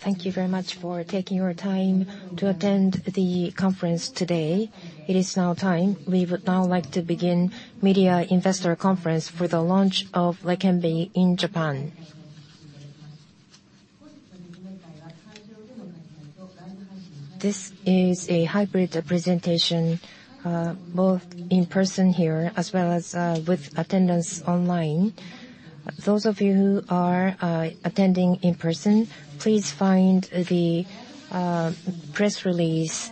Thank you very much for taking your time to attend the conference today. It is now time. We would now like to begin Media Investor Conference for the launch of Leqembi in Japan. This is a hybrid presentation, both in person here as well as with attendance online. Those of you who are attending in person, please find the press release.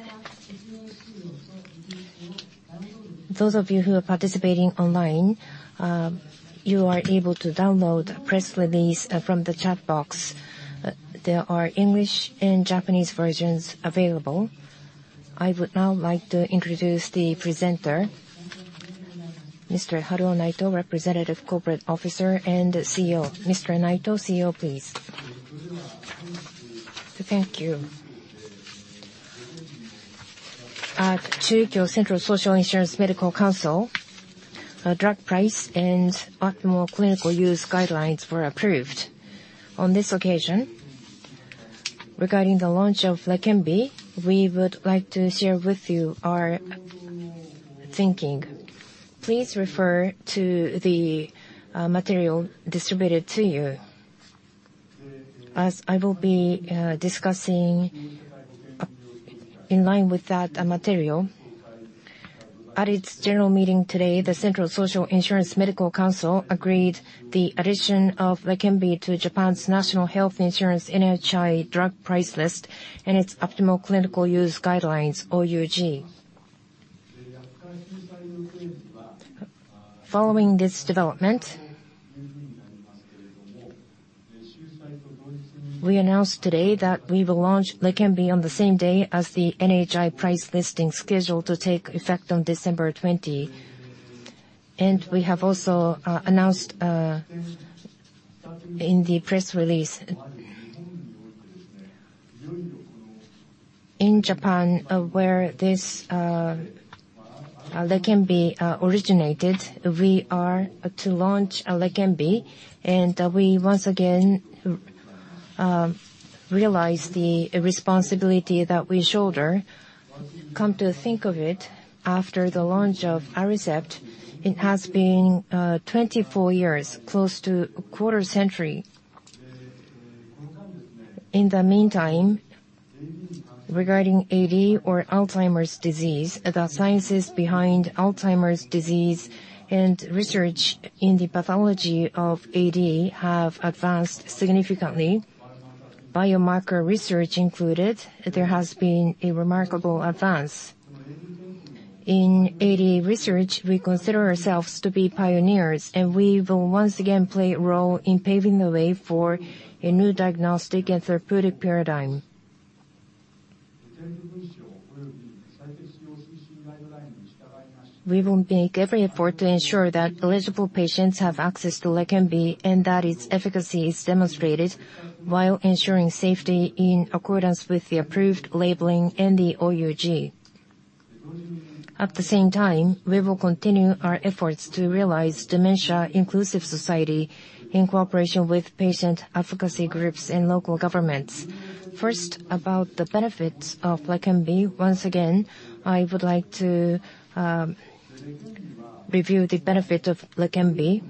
Those of you who are participating online, you are able to download a press release from the chat box. There are English and Japanese versions available. I would now like to introduce the presenter, Mr. Haruo Naito, Representative Corporate Officer and CEO. Mr. Naito, CEO, please. Thank you. At the Central Social Insurance Medical Council, a drug price and Optimal Clinical Use Guidelines were approved. On this occasion, regarding the launch of Leqembi, we would like to share with you our thinking. Please refer to the material distributed to you. As I will be discussing in line with that material. At its general meeting today, the Central Social Insurance Medical Council agreed the addition of Leqembi to Japan's National Health Insurance, NHI, drug price list and its optimal clinical use guidelines, OUG. Following this development, we announced today that we will launch Leqembi on the same day as the NHI price listing scheduled to take effect on December 20. We have also announced in the press release. In Japan, where this Leqembi originated, we are to launch Leqembi, and we once again realize the responsibility that we shoulder. Come to think of it, after the launch of Aricept, it has been 24 years, close to a quarter century. In the meantime, regarding AD or Alzheimer's disease, the sciences behind Alzheimer's disease and research in the pathology of AD have advanced significantly. Biomarker research included, there has been a remarkable advance. In AD research, we consider ourselves to be pioneers, and we will once again play a role in paving the way for a new diagnostic and therapeutic paradigm. We will make every effort to ensure that eligible patients have access to Leqembi and that its efficacy is demonstrated while ensuring safety in accordance with the approved labeling and the OUG. At the same time, we will continue our efforts to realize dementia-inclusive society in cooperation with patient advocacy groups and local governments. First, about the benefits of Leqembi. Once again, I would like to review the benefit of Leqembi.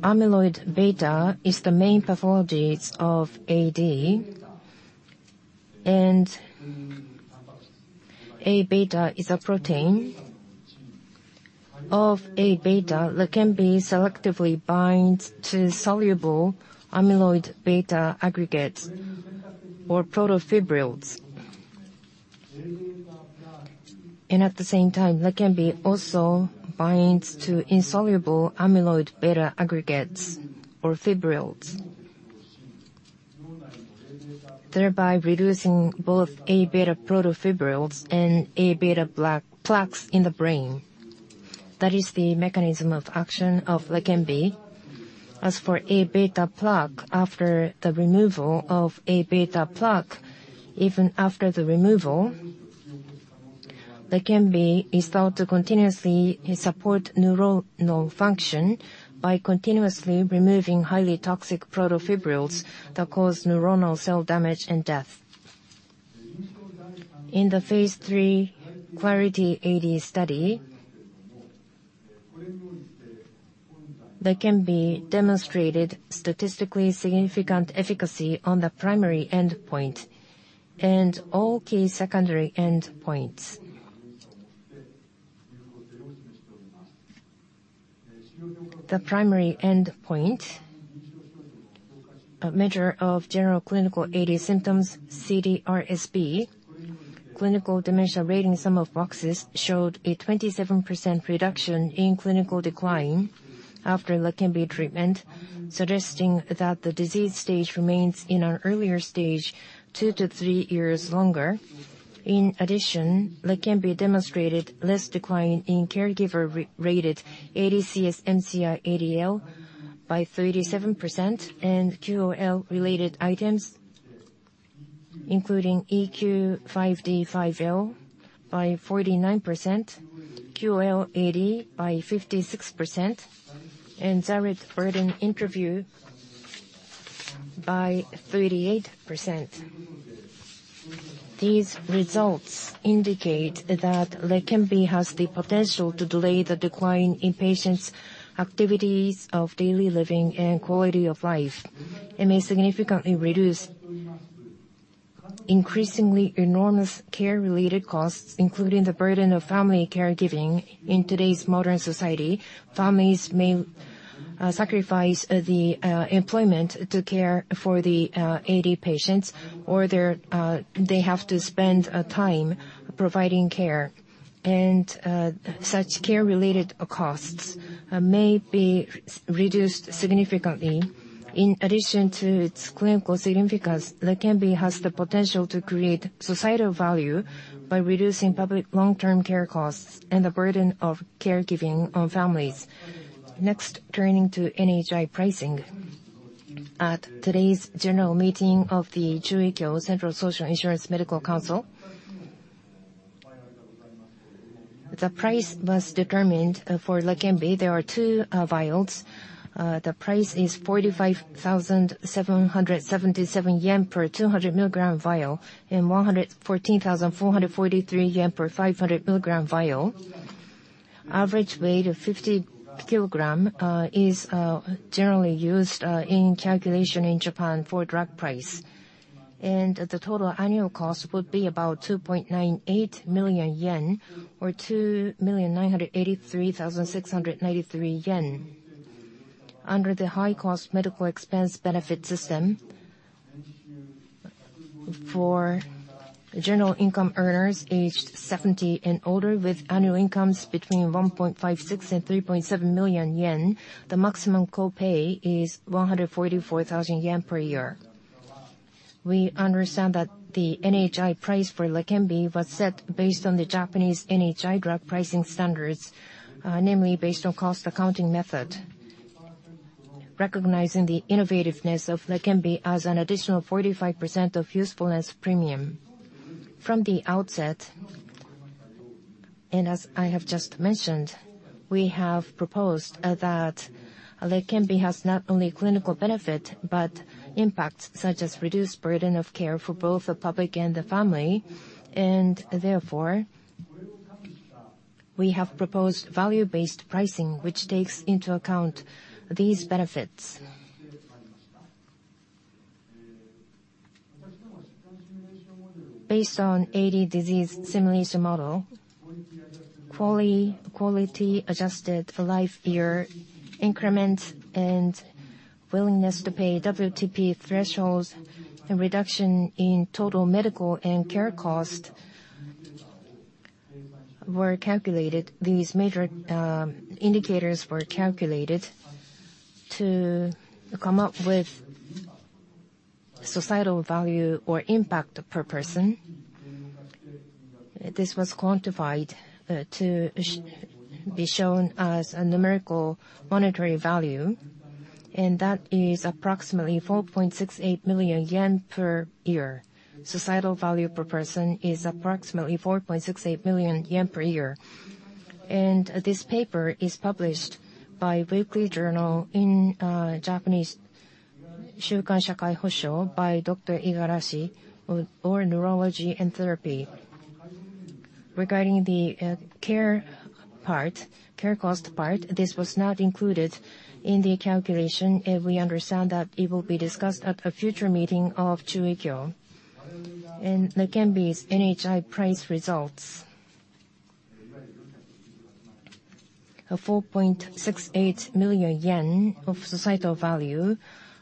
Amyloid beta is the main pathologies of AD, and A-beta is a protein. Of Aβ, Leqembi selectively binds to soluble amyloid beta aggregates or protofibrils. At the same time, Leqembi also binds to insoluble amyloid beta aggregates or fibrils. Thereby reducing both Aβ protofibrils and Aβ plaques in the brain. That is the mechanism of action of Leqembi. As for Aβ plaque, after the removal of Aβ plaque, even after the removal, Leqembi is thought to continuously support neuronal function by continuously removing highly toxic protofibrils that cause neuronal cell damage and death. In the phase 3 Clarity AD study, Leqembi demonstrated statistically significant efficacy on the primary endpoint and all key secondary endpoints. The primary endpoint, a measure of general clinical AD symptoms, CDR-SB, Clinical Dementia Rating Sum of Boxes, showed a 27% reduction in clinical decline after Leqembi treatment, suggesting that the disease stage remains in an earlier stage two to three years longer. In addition, Leqembi demonstrated less decline in caregiver re-rated ADCS-MCI-ADL by 37%, and QOL-related items, including EQ-5D-5L by 49%, QOL-AD by 56%, and Zarit Burden Interview by 38%. These results indicate that Leqembi has the potential to delay the decline in patients' activities of daily living and quality of life, and may significantly reduce increasingly enormous care-related costs, including the burden of family caregiving. In today's modern society, families may sacrifice the employment to care for the AD patients, or they have to spend time providing care. Such care-related costs may be reduced significantly. In addition to its clinical significance, Leqembi has the potential to create societal value by reducing public long-term care costs and the burden of caregiving on families. Next, turning to NHI pricing. At today's general meeting of the Chuikyo Central Social Insurance Medical Council, the price was determined for Leqembi. There are two vials. The price is 45,777 yen per 200 mg vial and 114,443 yen per 500 mg vial. Average weight of 50 kg is generally used in calculation in Japan for drug price. The total annual cost would be about 2.98 million yen or 2,983,693 yen. Under the high-cost medical expense benefit system, for general income earners aged 70 and older, with annual incomes between 1.56 and 3.7 million yen, the maximum co-pay is 144,000 yen per year. We understand that the NHI price for Leqembi was set based on the Japanese NHI drug pricing standards, namely based on cost accounting method, recognizing the innovativeness of Leqembi as an additional 45% usefulness premium. From the outset, and as I have just mentioned, we have proposed that Leqembi has not only clinical benefit, but impacts, such as reduced burden of care for both the public and the family. And therefore, we have proposed value-based pricing, which takes into account these benefits. Based on AD disease simulation model, quality, quality adjusted for life year increments and willingness to pay WTP thresholds and reduction in total medical and care cost were calculated. These major indicators were calculated to come up with societal value or impact per person. This was quantified to be shown as a numerical monetary value, and that is approximately 4.68 million yen per year. Societal value per person is approximately 4.68 million yen per year. This paper is published by Weekly Journal in Japanese by Dr. Igarashi on Neurology and Therapy. Regarding the care part, care cost part, this was not included in the calculation, and we understand that it will be discussed at a future meeting of Chuikyo. Leqembi's NHI price results 4.68 million yen of societal value.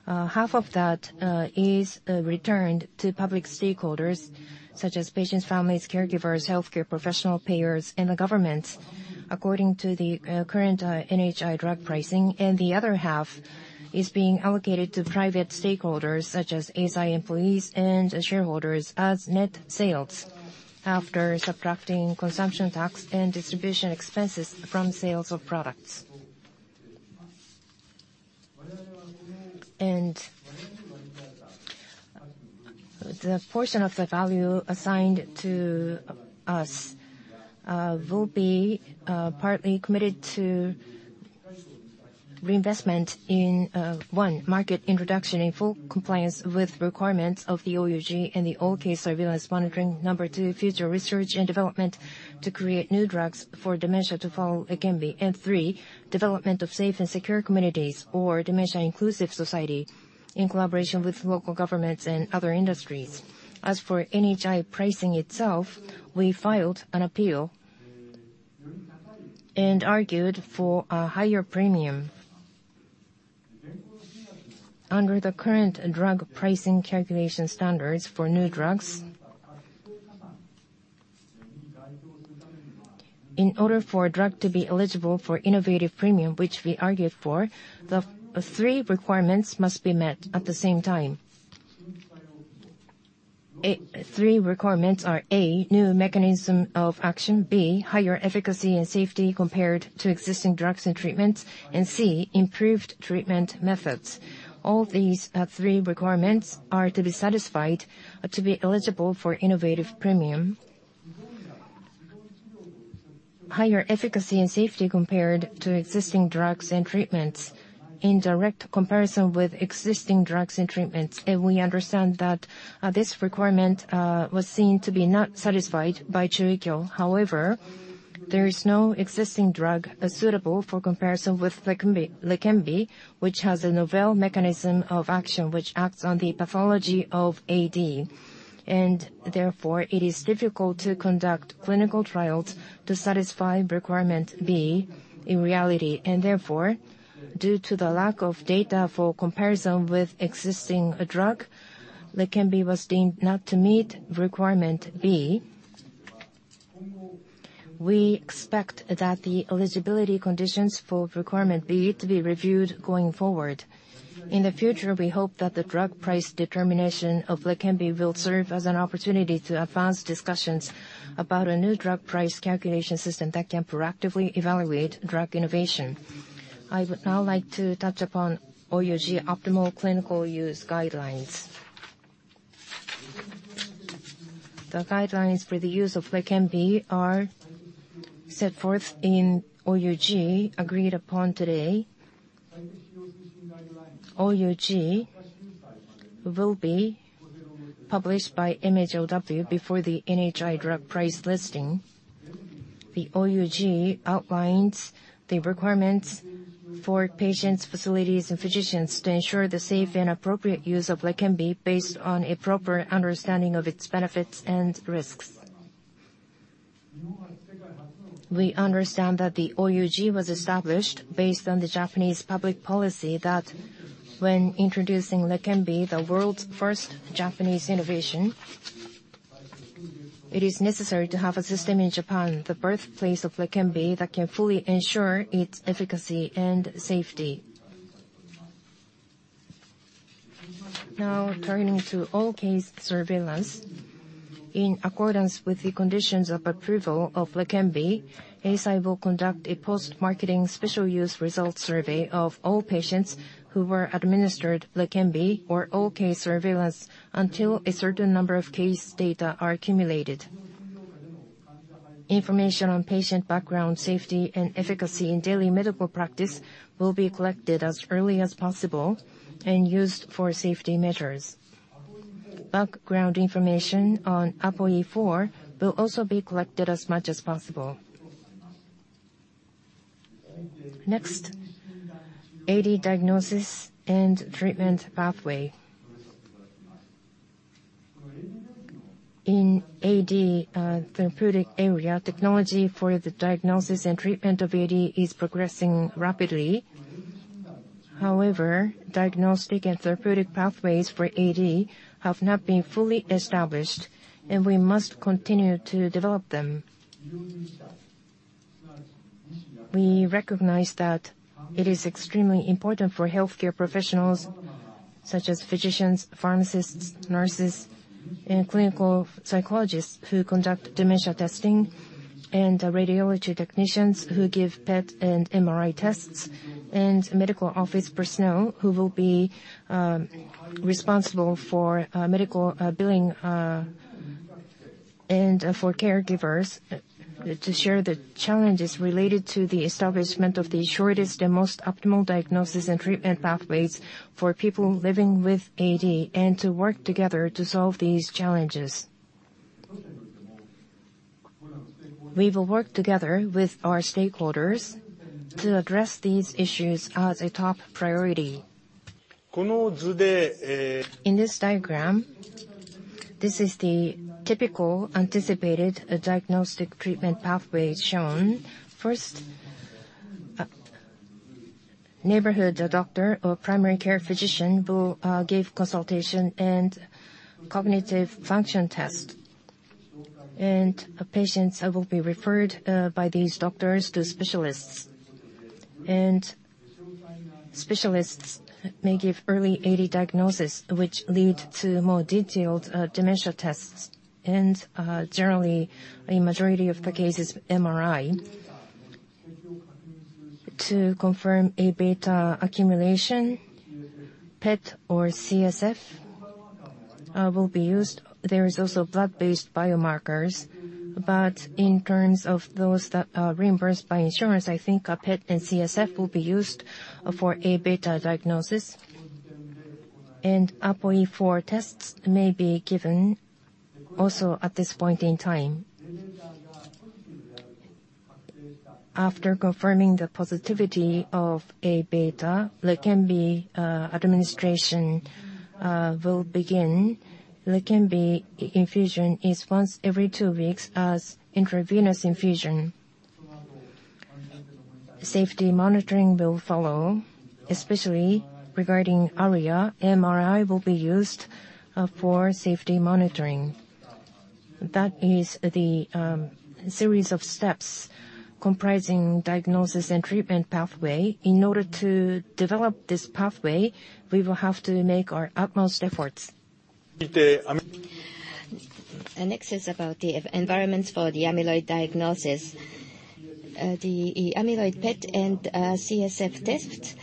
Half of that is returned to public stakeholders such as patients, families, caregivers, healthcare professional payers, and the governments, according to the current NHI drug pricing. And the other half is being allocated to private stakeholders such as Eisai employees and shareholders as net sales, after subtracting consumption tax and distribution expenses from sales of products. And the portion of the value assigned to us will be partly committed to reinvestment in one, market introduction in full compliance with requirements of the OUG and the all-case surveillance monitoring. Number two, future research and development to create new drugs for dementia to follow Leqembi. And three, development of safe and secure communities or dementia inclusive society in collaboration with local governments and other industries. As for NHI pricing itself, we filed an appeal and argued for a higher premium. Under the current drug pricing calculation standards for new drugs, in order for a drug to be eligible for innovative premium, which we argued for, the three requirements must be met at the same time. The three requirements are: A, new mechanism of action; B, higher efficacy and safety compared to existing drugs and treatments; and C, improved treatment methods. All these three requirements are to be satisfied to be eligible for innovative premium. Higher efficacy and safety compared to existing drugs and treatments. In direct comparison with existing drugs and treatments, and we understand that this requirement was seen to be not satisfied by Chugai Pharma. However, there is no existing drug suitable for comparison with Leqembi, Leqembi, which has a novel mechanism of action, which acts on the pathology of AD. And therefore, it is difficult to conduct clinical trials to satisfy requirement B in reality, and therefore, due to the lack of data for comparison with existing drug, Leqembi was deemed not to meet requirement B. We expect that the eligibility conditions for requirement B to be reviewed going forward. In the future, we hope that the drug price determination of Leqembi will serve as an opportunity to advance discussions about a new drug price calculation system that can proactively evaluate drug innovation. I would now like to touch upon OUG, Optimal Clinical Use Guidelines. The guidelines for the use of Leqembi are set forth in OUG, agreed upon today. OUG will be published by MHLW before the NHI drug price listing. The OUG outlines the requirements for patients, facilities, and physicians to ensure the safe and appropriate use of Leqembi based on a proper understanding of its benefits and risks. We understand that the OUG was established based on the Japanese public policy that when introducing Leqembi, the world's first Japanese innovation, it is necessary to have a system in Japan, the birthplace of Leqembi, that can fully ensure its efficacy and safety. Now, turning to all-case surveillance. In accordance with the conditions of approval of Leqembi, Eisai will conduct a post-marketing special use result survey of all patients who were administered Leqembi or all-case surveillance until a certain number of case data are accumulated. Information on patient background, safety, and efficacy in daily medical practice will be collected as early as possible and used for safety measures. Background information on APOE4 will also be collected as much as possible. Next, AD diagnosis and treatment pathway. In AD, therapeutic area, technology for the diagnosis and treatment of AD is progressing rapidly. However, diagnostic and therapeutic pathways for AD have not been fully established, and we must continue to develop them. We recognize that it is extremely important for healthcare professionals, such as physicians, pharmacists, nurses, and clinical psychologists who conduct dementia testing, and radiology technicians who give PET and MRI tests, and medical office personnel who will be responsible for medical billing and for caregivers to share the challenges related to the establishment of the shortest and most optimal diagnosis and treatment pathways for people living with AD and to work together to solve these challenges. We will work together with our stakeholders to address these issues as a top priority. In this diagram, this is the typical anticipated diagnostic treatment pathway shown. First, neighborhood doctor or primary care physician will give consultation and cognitive function test. Patients will be referred by these doctors to specialists. Specialists may give early AD diagnosis, which lead to more detailed dementia tests, and generally, a majority of the cases, MRI. To confirm Aβ accumulation, PET or CSF will be used. There is also blood-based biomarkers, but in terms of those that are reimbursed by insurance, I think a PET and CSF will be used for Aβ diagnosis. APOE4 tests may be given also at this point in time. After confirming the positivity of Aβ, Leqembi administration will begin. Leqembi infusion is once every two weeks as intravenous infusion. Safety monitoring will follow, especially regarding ARIA. MRI will be used for safety monitoring. That is the series of steps comprising diagnosis and treatment pathway. In order to develop this pathway, we will have to make our utmost efforts. Next is about the environments for the amyloid diagnosis. The amyloid PET and CSF tests-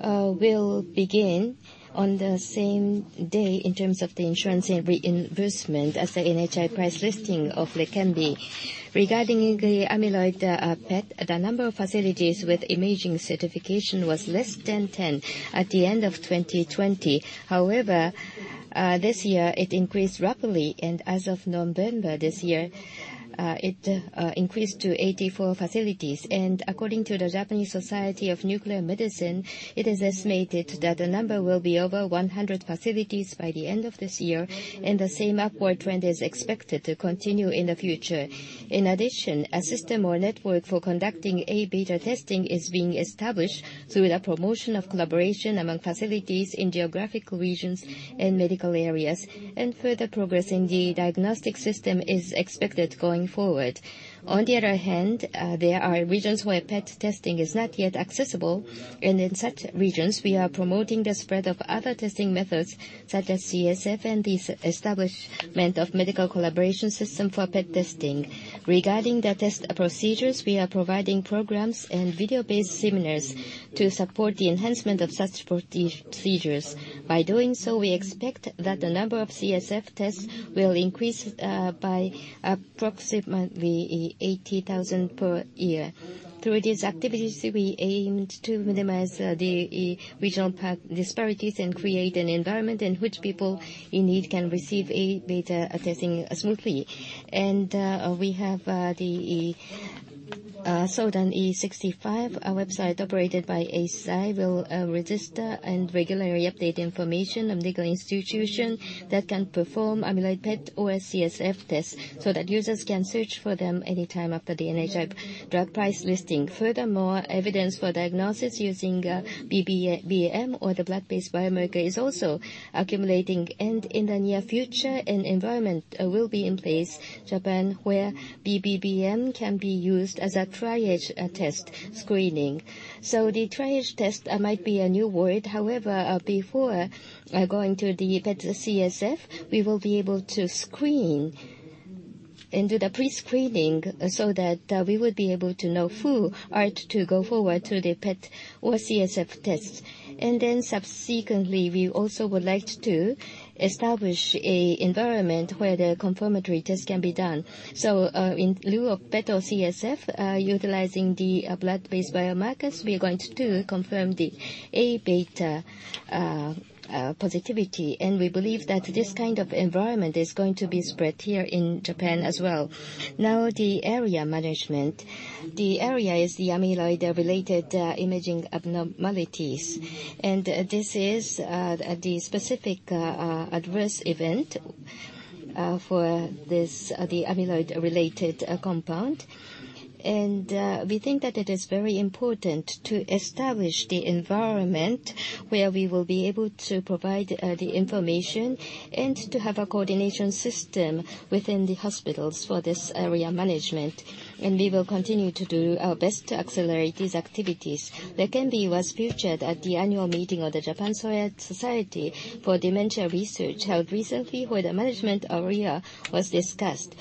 Will begin on the same day in terms of the insurance and reimbursement as the NHI price listing of Leqembi. Regarding the amyloid, PET, the number of facilities with imaging certification was less than 10 at the end of 2020. However, this year it increased rapidly, and as of November this year, it increased to 84 facilities. According to the Japanese Society of Nuclear Medicine, it is estimated that the number will be over 100 facilities by the end of this year, and the same upward trend is expected to continue in the future. In addition, a system or network for conducting A-beta testing is being established through the promotion of collaboration among facilities in geographic regions and medical areas, and further progress in the diagnostic system is expected going forward. On the other hand, there are regions where PET testing is not yet accessible, and in such regions, we are promoting the spread of other testing methods such as CSF and the establishment of medical collaboration system for PET testing. Regarding the test procedures, we are providing programs and video-based seminars to support the enhancement of such procedures. By doing so, we expect that the number of CSF tests will increase by approximately 80,000 per year. Through these activities, we aim to minimize the regional disparities and create an environment in which people in need can receive A-beta testing smoothly. We have the Soudan e-65, a website operated by Eisai, will register and regularly update information on medical institutions that can perform amyloid PET or CSF tests, so that users can search for them anytime after the NHI drug price listing. Furthermore, evidence for diagnosis using BBM or the blood-based biomarker is also accumulating, and in the near future, an environment will be in place in Japan, where BBM can be used as a triage test screening. So the triage test might be a new word. However, before going to the PET or CSF, we will be able to screen and do the pre-screening, so that we would be able to know who are to go forward to the PET or CSF tests. Then subsequently, we also would like to establish an environment where the confirmatory test can be done. So, in lieu of PET or CSF, utilizing the blood-based biomarkers, we are going to confirm the A-beta positivity. And we believe that this kind of environment is going to be spread here in Japan as well. Now, the ARIA management. The ARIA is the amyloid-related imaging abnormalities, and this is the specific adverse event for this, the amyloid-related compound. And we think that it is very important to establish the environment where we will be able to provide the information and to have a coordination system within the hospitals for this ARIA management, and we will continue to do our best to accelerate these activities. Leqembi was featured at the annual meeting of the Japan Society for Dementia Research, held recently, where the management ARIA was discussed.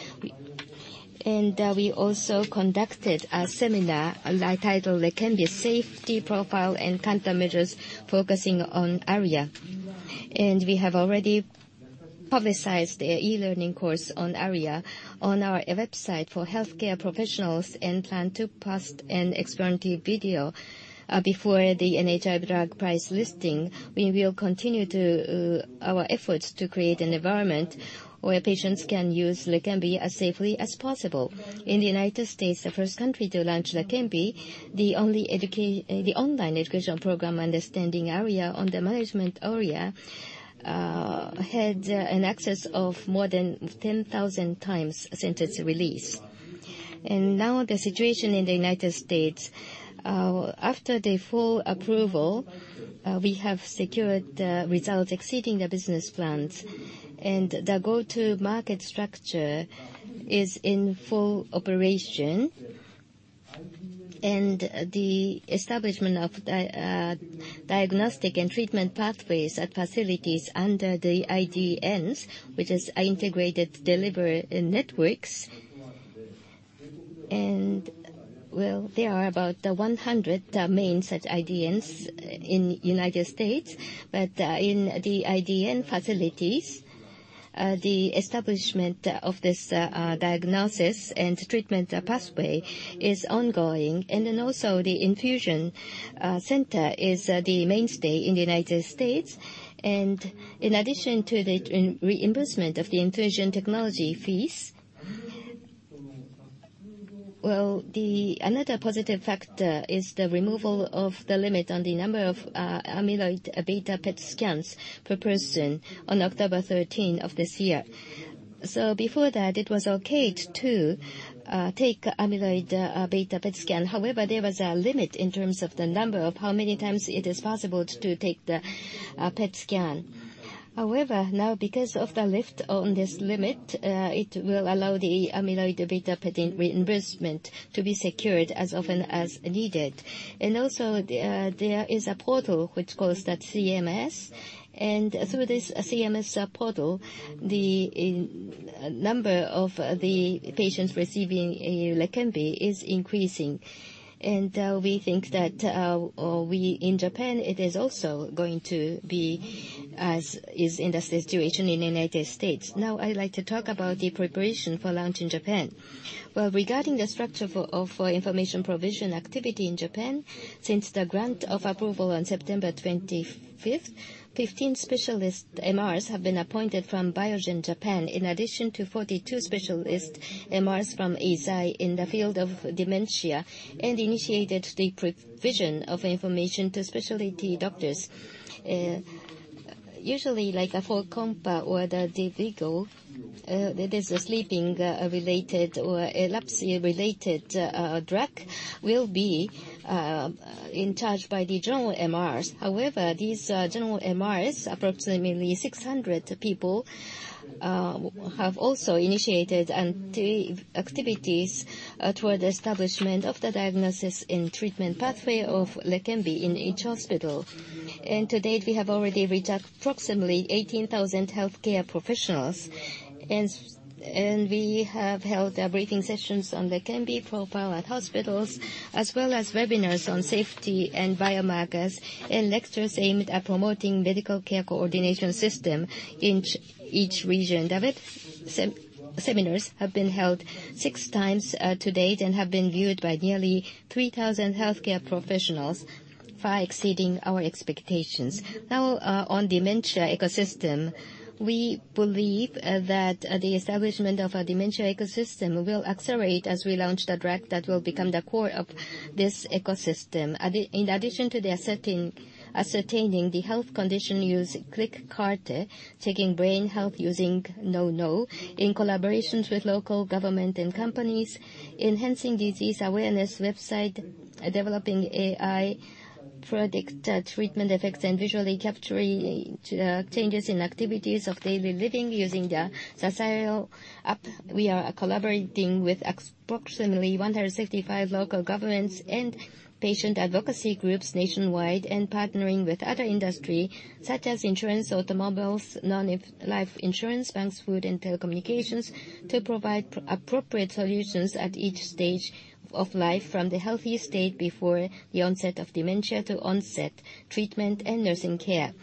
And, we also conducted a seminar, titled Leqembi Safety Profile and Countermeasures, Focusing on ARIA. And we have already publicized the e-learning course on ARIA on our website for healthcare professionals, and plan to post an explanatory video, before the NHI drug price listing. We will continue to our efforts to create an environment where patients can use Leqembi as safely as possible. In the United States, the first country to launch Leqembi, the only online education program understanding ARIA on the management ARIA had an access of more than 10,000 times since its release. And now the situation in the United States, after the full approval, we have secured results exceeding the business plans, and the go-to-market structure is in full operation. And the establishment of diagnostic and treatment pathways at facilities under the IDNs, which is Integrated Delivery Networks. And well, there are about 100 main such IDNs in United States. But in the IDN facilities, the establishment of this diagnosis and treatment pathway is ongoing. And then also, the infusion center is the mainstay in the United States. And in addition to the reimbursement of the infusion technology fees. Well, the another positive factor is the removal of the limit on the number of amyloid beta PET scans per person on October 13 of this year. So before that, it was okay to take amyloid beta PET scan. However, there was a limit in terms of the number of how many times it is possible to take the PET scan. However, now because of the lift on this limit, it will allow the amyloid beta PET reimbursement to be secured as often as needed. And also, there is a portal which calls that CMS, and through this CMS portal, the number of the patients receiving Leqembi is increasing. And we think that in Japan, it is also going to be as is in the situation in United States. Now, I'd like to talk about the preparation for launch in Japan. Well, regarding the structure of information provision activity in Japan, since the grant of approval on September 25, 15 specialist MRs have been appointed from Biogen Japan, in addition to 42 specialist MRs from Eisai in the field of dementia, and initiated the provision of information to specialty doctors. Usually, like for Belsomra or Dayvigo, it is a sleeping related or Alzheimer's-related drug, will be in charge by the general MRs. However, these general MRs, approximately 600 people, have also initiated the activities toward establishment of the diagnosis and treatment pathway of Leqembi in each hospital. And to date, we have already reached approximately 18,000 healthcare professionals, and we have held briefing sessions on Leqembi profile at hospitals, as well as webinars on safety and biomarkers, and lectures aimed at promoting medical care coordination system in each region of it. Seminars have been held 6 times to date and have been viewed by nearly 3,000 healthcare professionals, far exceeding our expectations. Now, on dementia ecosystem, we believe that the establishment of a dementia ecosystem will accelerate as we launch the drug that will become the core of this ecosystem. In addition to the asserting, ascertaining the health condition use Easiit, checking brain health using NouKNOW, in collaborations with local government and companies, enhancing disease awareness website, developing AI, predict treatment effects, and visually capturing changes in activities of daily living using the Sasaell app. We are collaborating with approximately 165 local governments and patient advocacy groups nationwide, and partnering with other industry, such as insurance, automobiles, non-life insurance, banks, food, and telecommunications, to provide appropriate solutions at each stage of life, from the healthy state before the onset of dementia, to onset, treatment, and nursing care.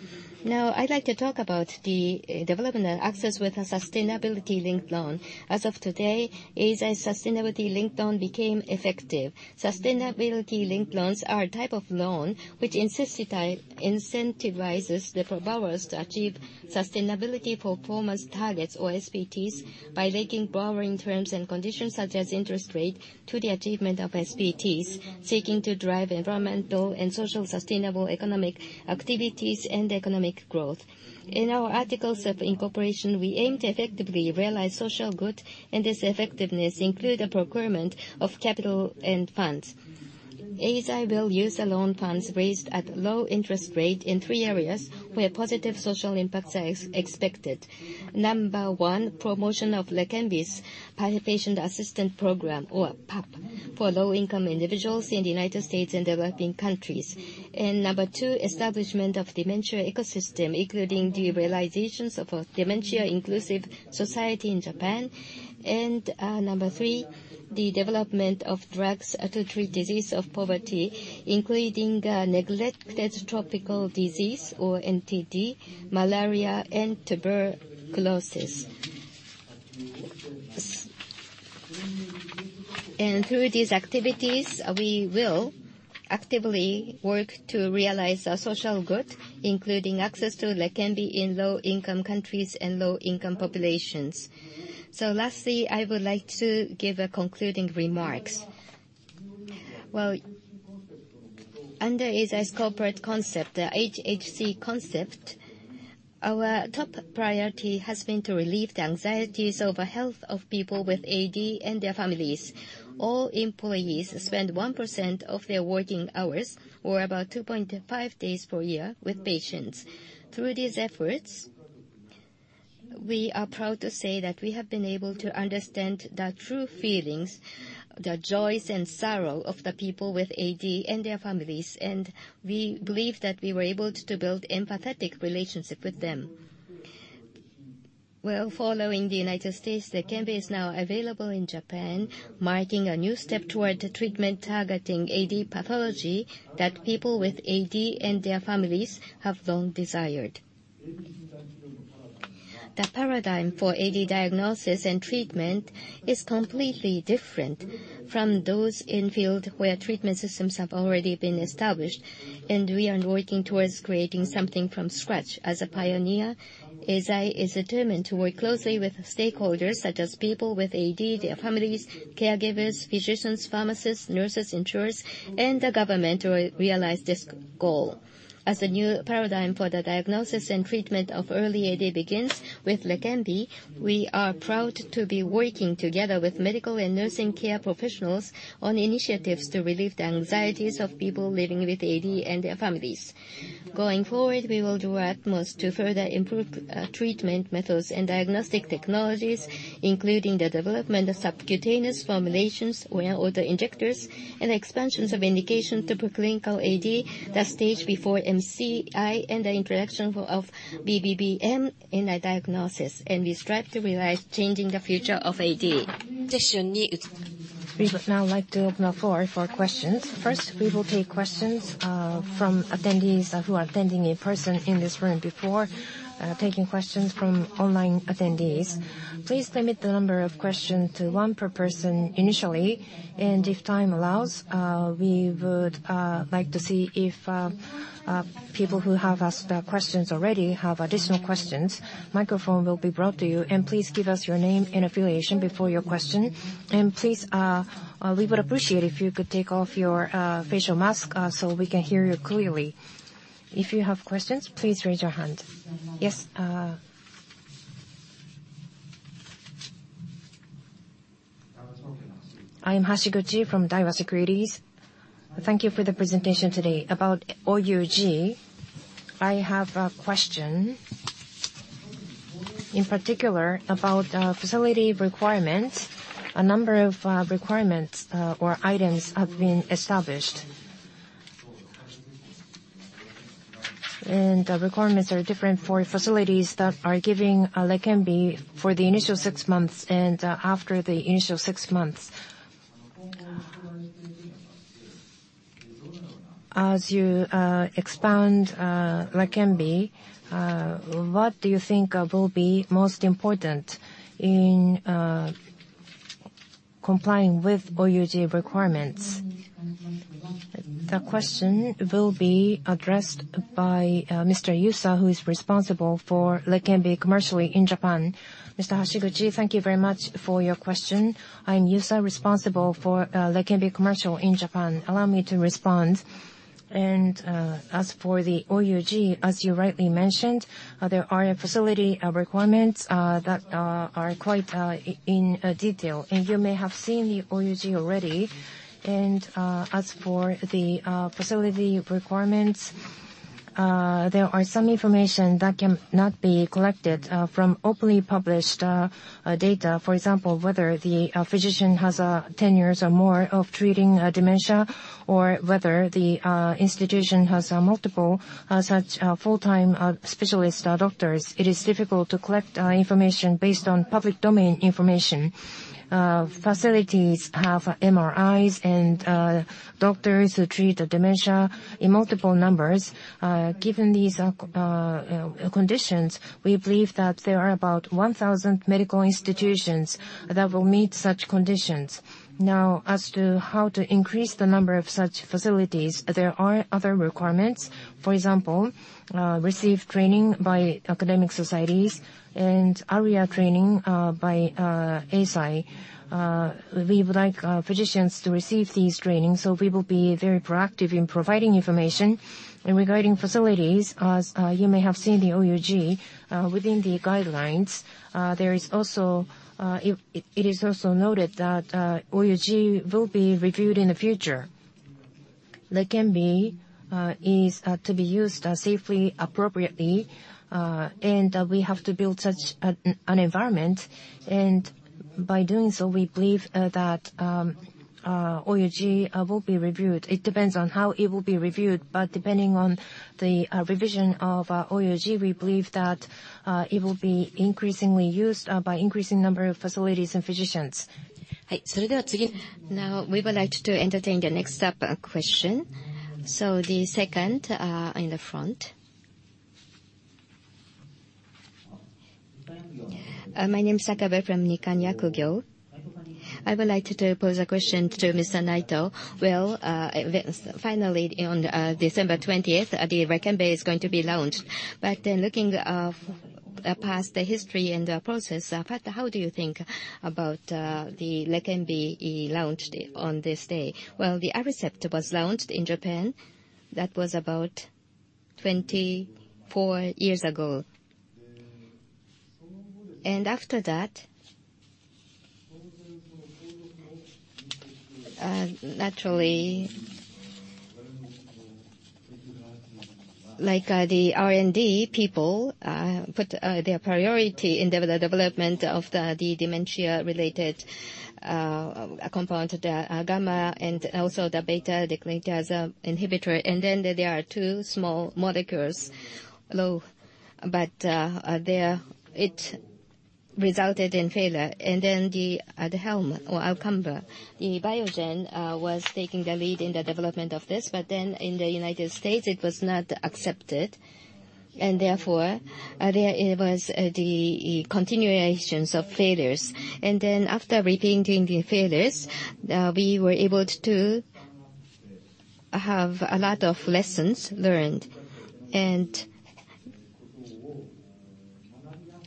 Now, I'd like to talk about the development and access with a sustainability linked loan. As of today, Eisai's sustainability linked loan became effective. Sustainability linked loans are a type of loan which incentivizes the borrowers to achieve sustainability performance targets, or SPTs, by linking borrowing terms and conditions, such as interest rate, to the achievement of SPTs, seeking to drive environmental and social sustainable economic activities and economic growth. In our articles of incorporation, we aim to effectively realize social good, and this effectiveness include the procurement of capital and funds. Eisai will use the loan funds raised at low interest rate in three areas where positive social impacts are expected. Number one, promotion of Leqembi's Patient Assistant Program, or PAP, for low-income individuals in the United States and developing countries. And number two, establishment of dementia ecosystem, including the realizations of a dementia-inclusive society in Japan. And number three, the development of drugs to treat disease of poverty, including neglected tropical disease, or NTD, malaria, and tuberculosis. Through these activities, we will actively work to realize a social good, including access to Leqembi in low-income countries and low-income populations. So lastly, I would like to give a concluding remarks. Well, under Eisai's corporate concept, the hhc concept, our top priority has been to relieve the anxieties over health of people with AD and their families. All employees spend 1% of their working hours, or about 2.5 days per year, with patients. Through these efforts, we are proud to say that we have been able to understand the true feelings, the joys and sorrow of the people with AD and their families, and we believe that we were able to build empathetic relationship with them. Well, following the United States, Leqembi is now available in Japan, marking a new step toward the treatment targeting AD pathology that people with AD and their families have long desired. The paradigm for AD diagnosis and treatment is completely different from those in field where treatment systems have already been established, and we are working towards creating something from scratch. As a pioneer, Eisai is determined to work closely with stakeholders such as people with AD, their families, caregivers, physicians, pharmacists, nurses, insurers, and the government to realize this goal. As the new paradigm for the diagnosis and treatment of early AD begins with Leqembi, we are proud to be working together with medical and nursing care professionals on initiatives to relieve the anxieties of people living with AD and their families. Going forward, we will do our utmost to further improve treatment methods and diagnostic technologies, including the development of subcutaneous formulations or, or the injectors, and expansions of indication to preclinical AD, the stage before MCI, and the introduction of BBM in a diagnosis. We strive to realize changing the future of AD. We would now like to open the floor for questions. First, we will take questions from attendees who are attending in person in this room before taking questions from online attendees. Please limit the number of questions to one per person initially, and if time allows, we would like to see if people who have asked questions already have additional questions. Microphone will be brought to you, and please give us your name and affiliation before your question. Please, we would appreciate if you could take off your facial mask so we can hear you clearly. If you have questions, please raise your hand. Yes. I am Hashiguchi from Daiwa Securities. Thank you for the presentation today. About OUG, I have a question. In particular, about facility requirements, a number of requirements or items have been established. And the requirements are different for facilities that are giving Leqembi for the initial six months and after the initial six months. As you expand Leqembi, what do you think will be most important in complying with OUG requirements? The question will be addressed by Mr. Yusa, who is responsible for Leqembi commercially in Japan. Mr. Hashiguchi, thank you very much for your question. I'm Yusa, responsible for Leqembi commercial in Japan. Allow me to respond. As for the OUG, as you rightly mentioned, there are facility requirements that are quite in detail. You may have seen the OUG already. As for the facility requirements, there are some information that can not be collected from openly published data. For example, whether the physician has 10 years or more of treating dementia, or whether the institution has multiple such full-time specialist doctors. It is difficult to collect information based on public domain information. Facilities have MRIs and doctors who treat the dementia in multiple numbers. Given these conditions, we believe that there are about 1,000 medical institutions that will meet such conditions. Now, as to how to increase the number of such facilities, there are other requirements. For example, receive training by academic societies and ARIA training by Eisai. We would like physicians to receive these trainings, so we will be very proactive in providing information. And regarding facilities, as you may have seen the OUG, within the guidelines, there is also, it is also noted that OUG will be reviewed in the future. Leqembi is to be used safely, appropriately, and we have to build such an environment. And by doing so, we believe that OUG will be reviewed. It depends on how it will be reviewed, but depending on the revision of OUG, we believe that it will be increasingly used by increasing number of facilities and physicians. Now, we would like to entertain the next up question. So the second in the front. My name is Sakabe from Nikkan Kogyo. I would like to pose a question to Mr. Naito. Well, finally, on December 20, the Leqembi is going to be launched. But in looking past the history and the process, how do you think about the Leqembi launch on this day? Well, the Aricept was launched in Japan. That was about 24 years ago. And after that, naturally, like, the R&D people put their priority in the development of the dementia-related compound, the gamma and also the beta, the secretase inhibitor. And then there are two small molecules, low, but they are resulted in failure, and then the, the helm or outcome, the Biogen was taking the lead in the development of this. But then in the United States, it was not accepted, and therefore, there it was, the continuations of failures. And then after repeating the failures, we were able to have a lot of lessons learned. And,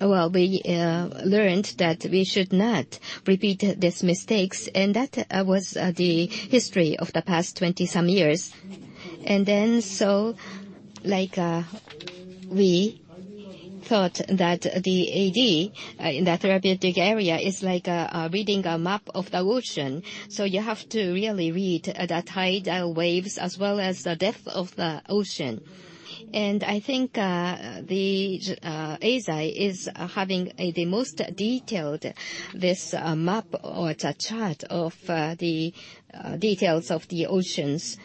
well, we learned that we should not repeat these mistakes, and that was the history of the past 20-some years. And then, so like, we thought that the AD in the therapeutic area is like reading a map of the ocean. So you have to really read the tidal waves as well as the depth of the ocean. I think the Eisai is having the most detailed map or the chart of the details of the oceans.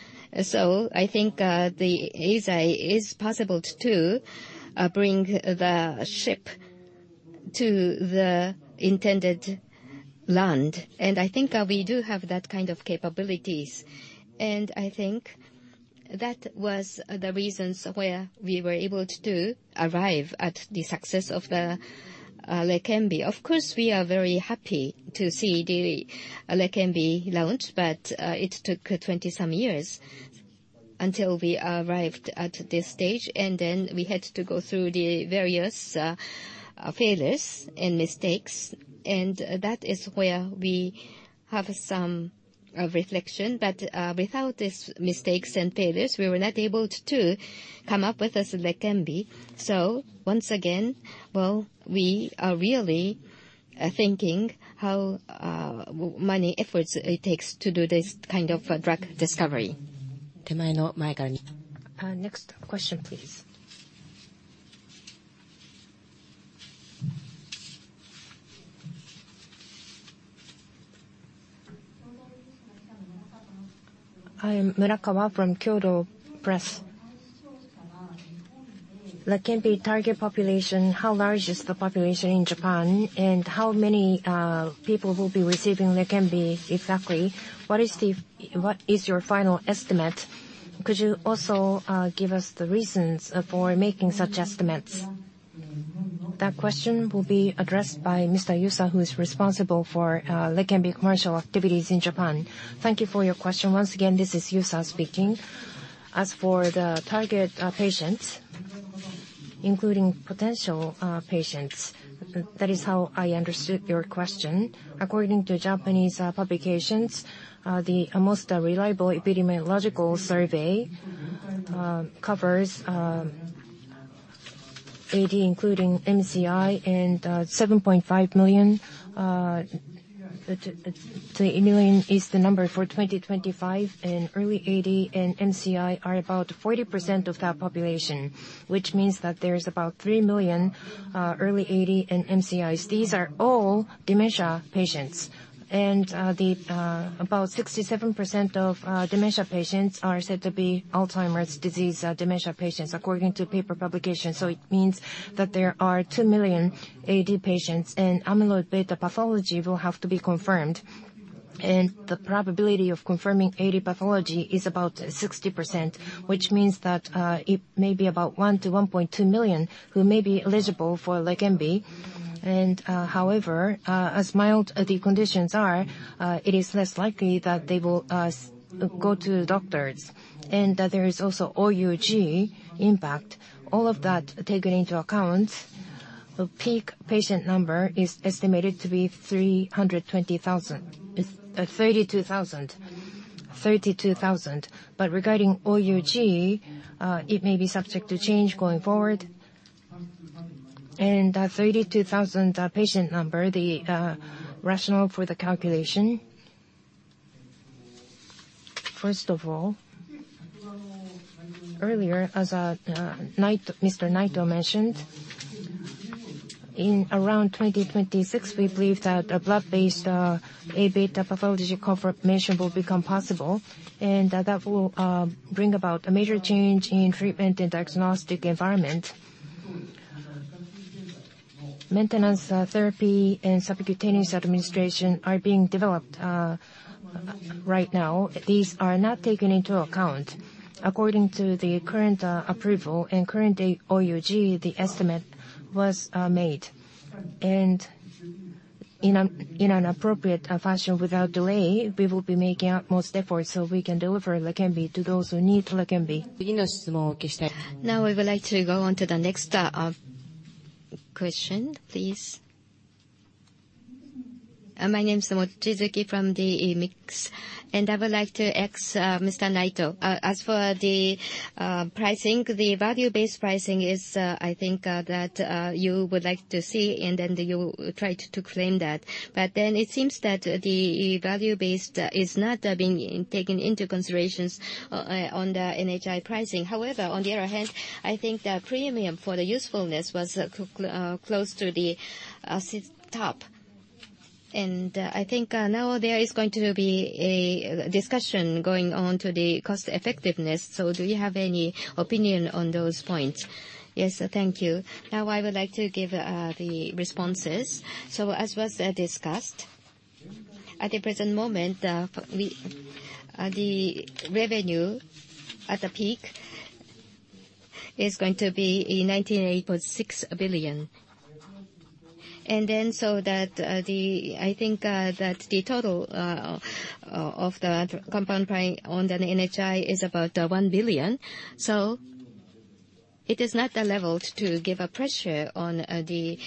So I think the Eisai is possible to bring the ship to the intended land, and I think we do have that kind of capabilities. And I think that was the reasons where we were able to arrive at the success of the Leqembi. Of course, we are very happy to see the Leqembi launch, but it took 20-some years until we arrived at this stage. And then we had to go through the various failures and mistakes, and that is where we have some reflection. But without these mistakes and failures, we were not able to come up with this Leqembi. So once again, well, we are really thinking how many efforts it takes to do this kind of drug discovery. Next question, please. I am Murakawa from Kyodo Press. Leqembi target population, how large is the population in Japan, and how many people will be receiving Leqembi exactly? What is your final estimate? Could you also give us the reasons for making such estimates? That question will be addressed by Mr. Yusa, who is responsible for Leqembi commercial activities in Japan. Thank you for your question. Once again, this is Yusa speaking. As for the target patients, including potential patients, that is how I understood your question. According to Japanese publications, the most reliable epidemiological survey covers AD, including MCI, and 7.5 million, the million is the number for 2025, and early AD and MCI are about 40% of that population, which means that there's about 3 million early AD and MCIs. These are all dementia patients, and about 67% of dementia patients are said to be Alzheimer's disease dementia patients, according to paper publication. So it means that there are 2 million AD patients, and amyloid beta pathology will have to be confirmed. The probability of confirming AD pathology is about 60%, which means that it may be about 1-1.2 million who may be eligible for Leqembi. However, as mild the conditions are, it is less likely that they will go to doctors, and that there is also OUG impact. All of that taken into account, the peak patient number is estimated to be 320,000, 32,000. 32,000. But regarding OUG, it may be subject to change going forward. And the 32,000 patient number, the rationale for the calculation. First of all, earlier, as Naito, Mr. Naito mentioned, in around 2026, we believe that a blood-based A beta pathology confirmation will become possible, and that will bring about a major change in treatment and diagnostic environment. Maintenance therapy and subcutaneous administration are being developed right now. These are not taken into account. According to the current approval and current OUG, the estimate was made. And in an appropriate fashion without delay, we will be making our most efforts, so we can deliver Leqembi to those who need Leqembi. Now, we would like to go on to the next question, please. My name is Mochizuki from the Mix, and I would like to ask Mr. Naito. As for the pricing, the value-based pricing is, I think, that you would like to see, and then you try to claim that. But then it seems that the value based is not being taken into considerations on the NHI pricing. However, on the other hand, I think the premium for the usefulness was close to the top. I think now there is going to be a discussion going on to the cost effectiveness. So do you have any opinion on those points? Yes, thank you. Now I would like to give the responses. So as was discussed, at the present moment, the revenue at the peak is going to be 198.6 billion. And then so that, I think that the total of the compound price on the NHI is about 1 billion. So it is not a level to give a pressure on the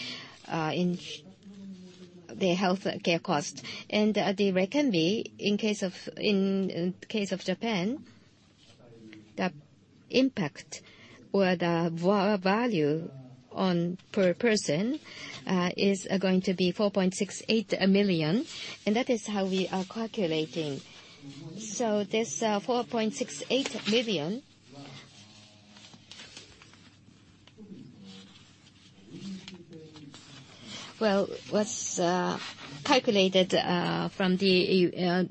healthcare cost. And the Leqembi, in case of Japan, the impact or the value per person is going to be 4.68 million, and that is how we are calculating. So this 4.68 million well was calculated from the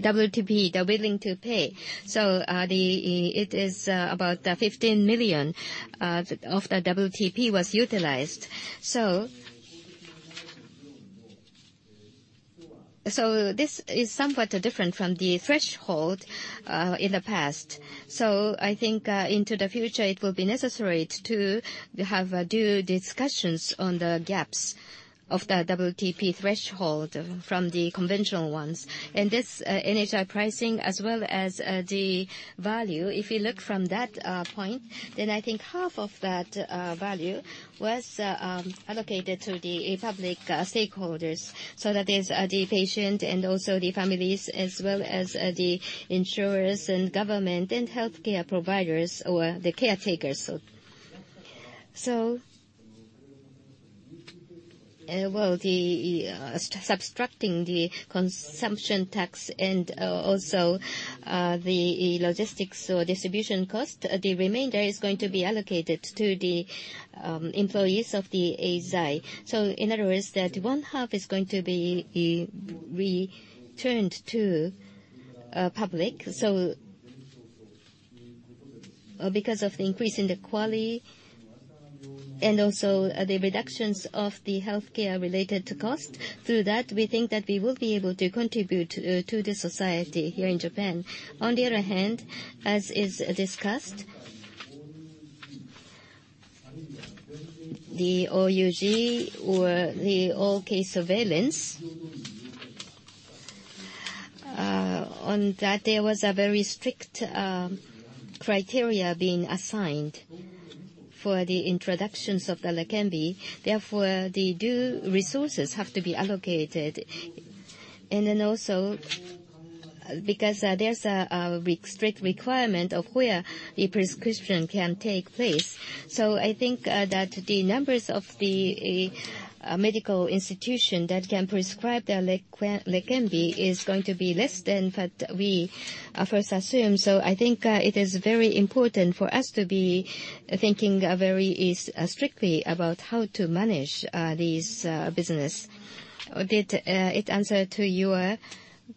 WTP, the Willingness to Pay. So it is about 15 million of the WTP was utilized. So this is somewhat different from the threshold in the past. I think into the future, it will be necessary to have due discussions on the gaps of the WTP threshold from the conventional ones. This NHI pricing, as well as the value, if you look from that point, then I think half of that value was allocated to the public stakeholders. That is the patient and also the families, as well as the insurers and government and healthcare providers or the caretakers. Well, subtracting the consumption tax and also the logistics or distribution cost, the remainder is going to be allocated to the employees of the Eisai. In other words, that one half is going to be returned to public. So, because of the increase in the quality and also, the reductions of the healthcare-related cost, through that, we think that we will be able to contribute to the society here in Japan. On the other hand, as is discussed, the OUG or the all-case surveillance, on that, there was a very strict criteria being assigned for the introductions of the Leqembi. Therefore, the due resources have to be allocated. And then also, because, there's a strict requirement of where the prescription can take place. So I think, that the numbers of the medical institution that can prescribe the Leqembi is going to be less than what we first assumed. So I think, it is very important for us to be thinking very strictly about how to manage these business. Did it answer to your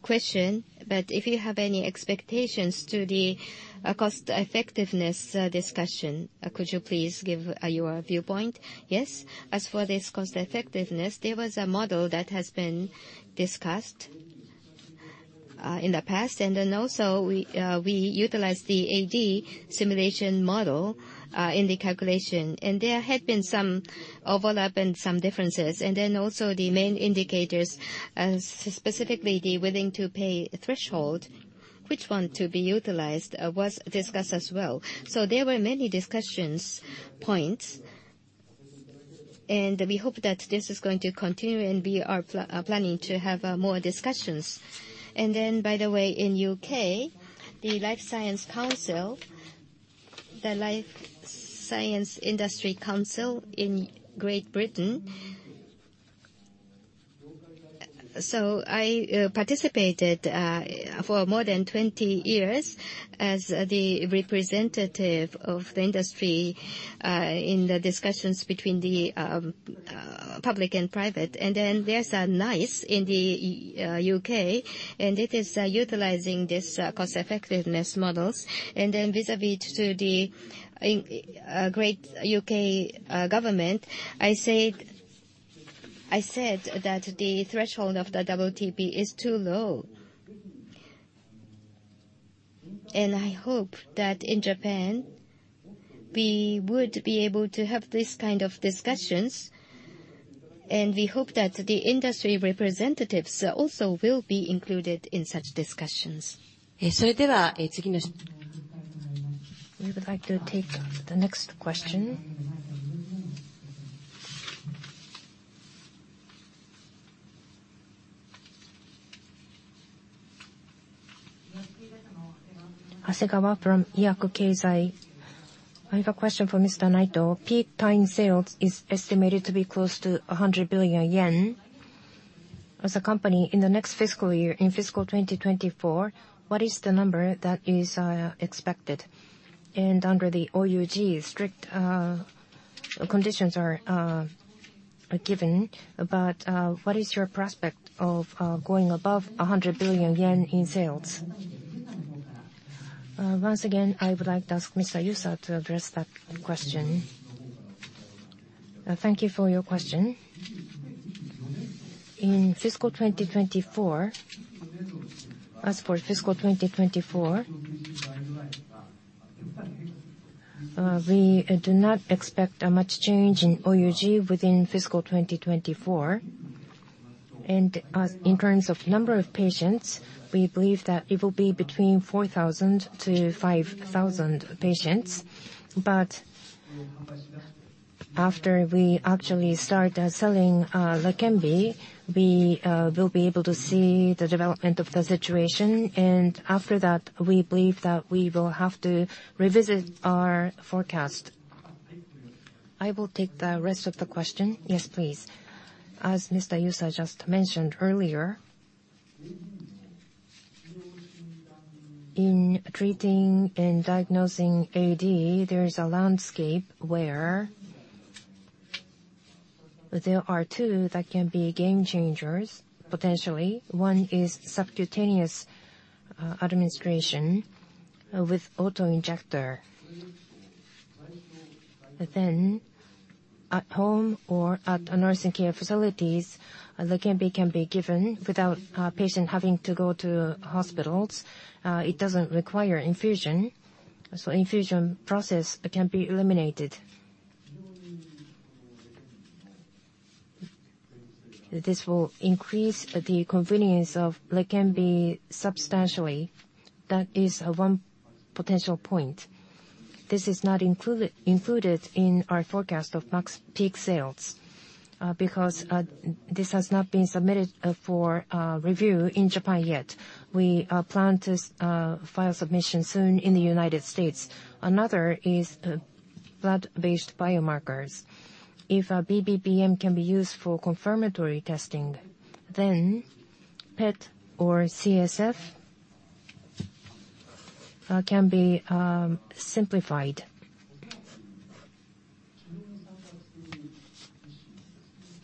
question? But if you have any expectations to the cost-effectiveness discussion, could you please give your viewpoint? Yes. As for this cost-effectiveness, there was a model that has been discussed in the past, and then also we utilized the AD simulation model in the calculation. And there had been some overlap and some differences. And then also the main indicators, specifically the Willingness to Pay threshold, which one to be utilized, was discussed as well. So there were many discussion points, and we hope that this is going to continue, and we are planning to have more discussions. By the way, in the U.K., the Life Science Council, the Life Science Industry Council in Great Britain, so I participated for more than 20 years as the representative of the industry in the discussions between the public and private. And then there's a NICE in the U.K., and it is utilizing this cost-effectiveness models. And then vis-à-vis to the Great U.K. government, I said, I said that the threshold of the WTP is too low. And I hope that in Japan, we would be able to have this kind of discussions, and we hope that the industry representatives also will be included in such discussions. We would like to take the next question. Hasegawa from Yakukeizai. I have a question for Mr. Naito. Peak time sales is estimated to be close to 100 billion yen. As a company, in the next fiscal year, in fiscal 2024, what is the number that is expected? Under the OUG, strict conditions are given, but what is your prospect of going above 100 billion yen in sales? Once again, I would like to ask Mr. Yusa to address that question. Thank you for your question. In fiscal 2024, as for fiscal 2024, we do not expect much change in OUG within fiscal 2024. And, in terms of number of patients, we believe that it will be between 4,000 to 5,000 patients. But after we actually start selling Leqembi, we will be able to see the development of the situation, and after that, we believe that we will have to revisit our forecast. I will take the rest of the question. Yes, please. As Mr. Yusa just mentioned earlier, in treating and diagnosing AD, there is a landscape where there are two that can be game changers, potentially. One is subcutaneous administration with auto-injector. But then, at home or at a nursing care facilities, Leqembi can be given without patient having to go to hospitals. It doesn't require infusion, so infusion process can be eliminated. This will increase the convenience of Leqembi substantially. That is one potential point. This is not included in our forecast of max peak sales because this has not been submitted for review in Japan yet. We plan to file submission soon in the United States. Another is blood-based biomarkers. If a BBM can be used for confirmatory testing, then PET or CSF can be simplified.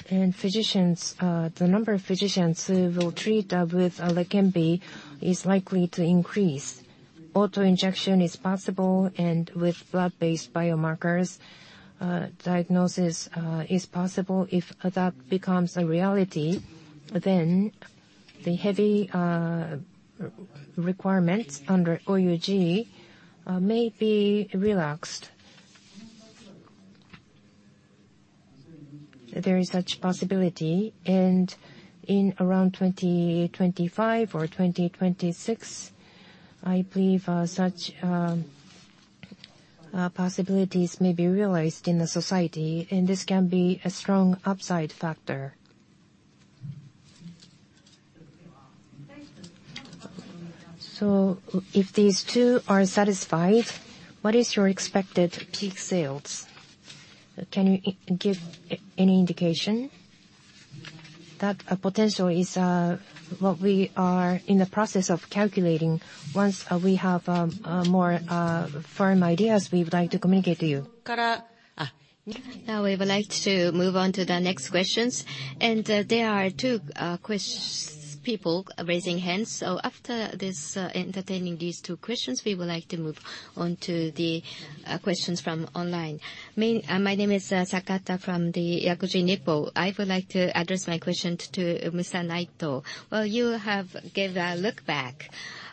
And physicians, the number of physicians who will treat with Leqembi is likely to increase. Auto-injection is possible, and with blood-based biomarkers, diagnosis is possible. If that becomes a reality, then the heavy requirements under OUG may be relaxed. There is such possibility, and in around 2025 or 2026, I believe, such possibilities may be realized in the society, and this can be a strong upside factor. So if these two are satisfied, what is your expected peak sales? Can you give any indication? That potential is what we are in the process of calculating. Once we have more firm ideas, we would like to communicate to you. Now, we would like to move on to the next questions, and there are two questions, people raising hands. So after this, entertaining these two questions, we would like to move on to the questions from online. My name is Sakata from the Yakuji Nippo. I would like to address my question to Mr. Naito. Well, you have gave a look back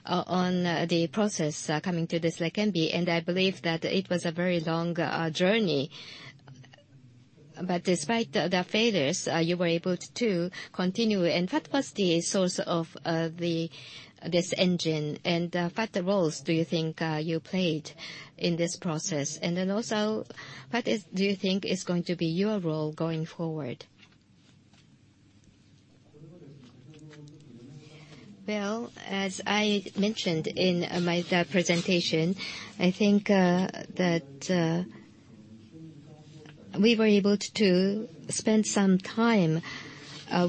on the process coming to this Leqembi, and I believe that it was a very long journey. But despite the failures, you were able to continue, and what was the source of this engine? And what roles do you think you played in this process? And then also, what do you think is going to be your role going forward? Well, as I mentioned in my presentation, I think that we were able to spend some time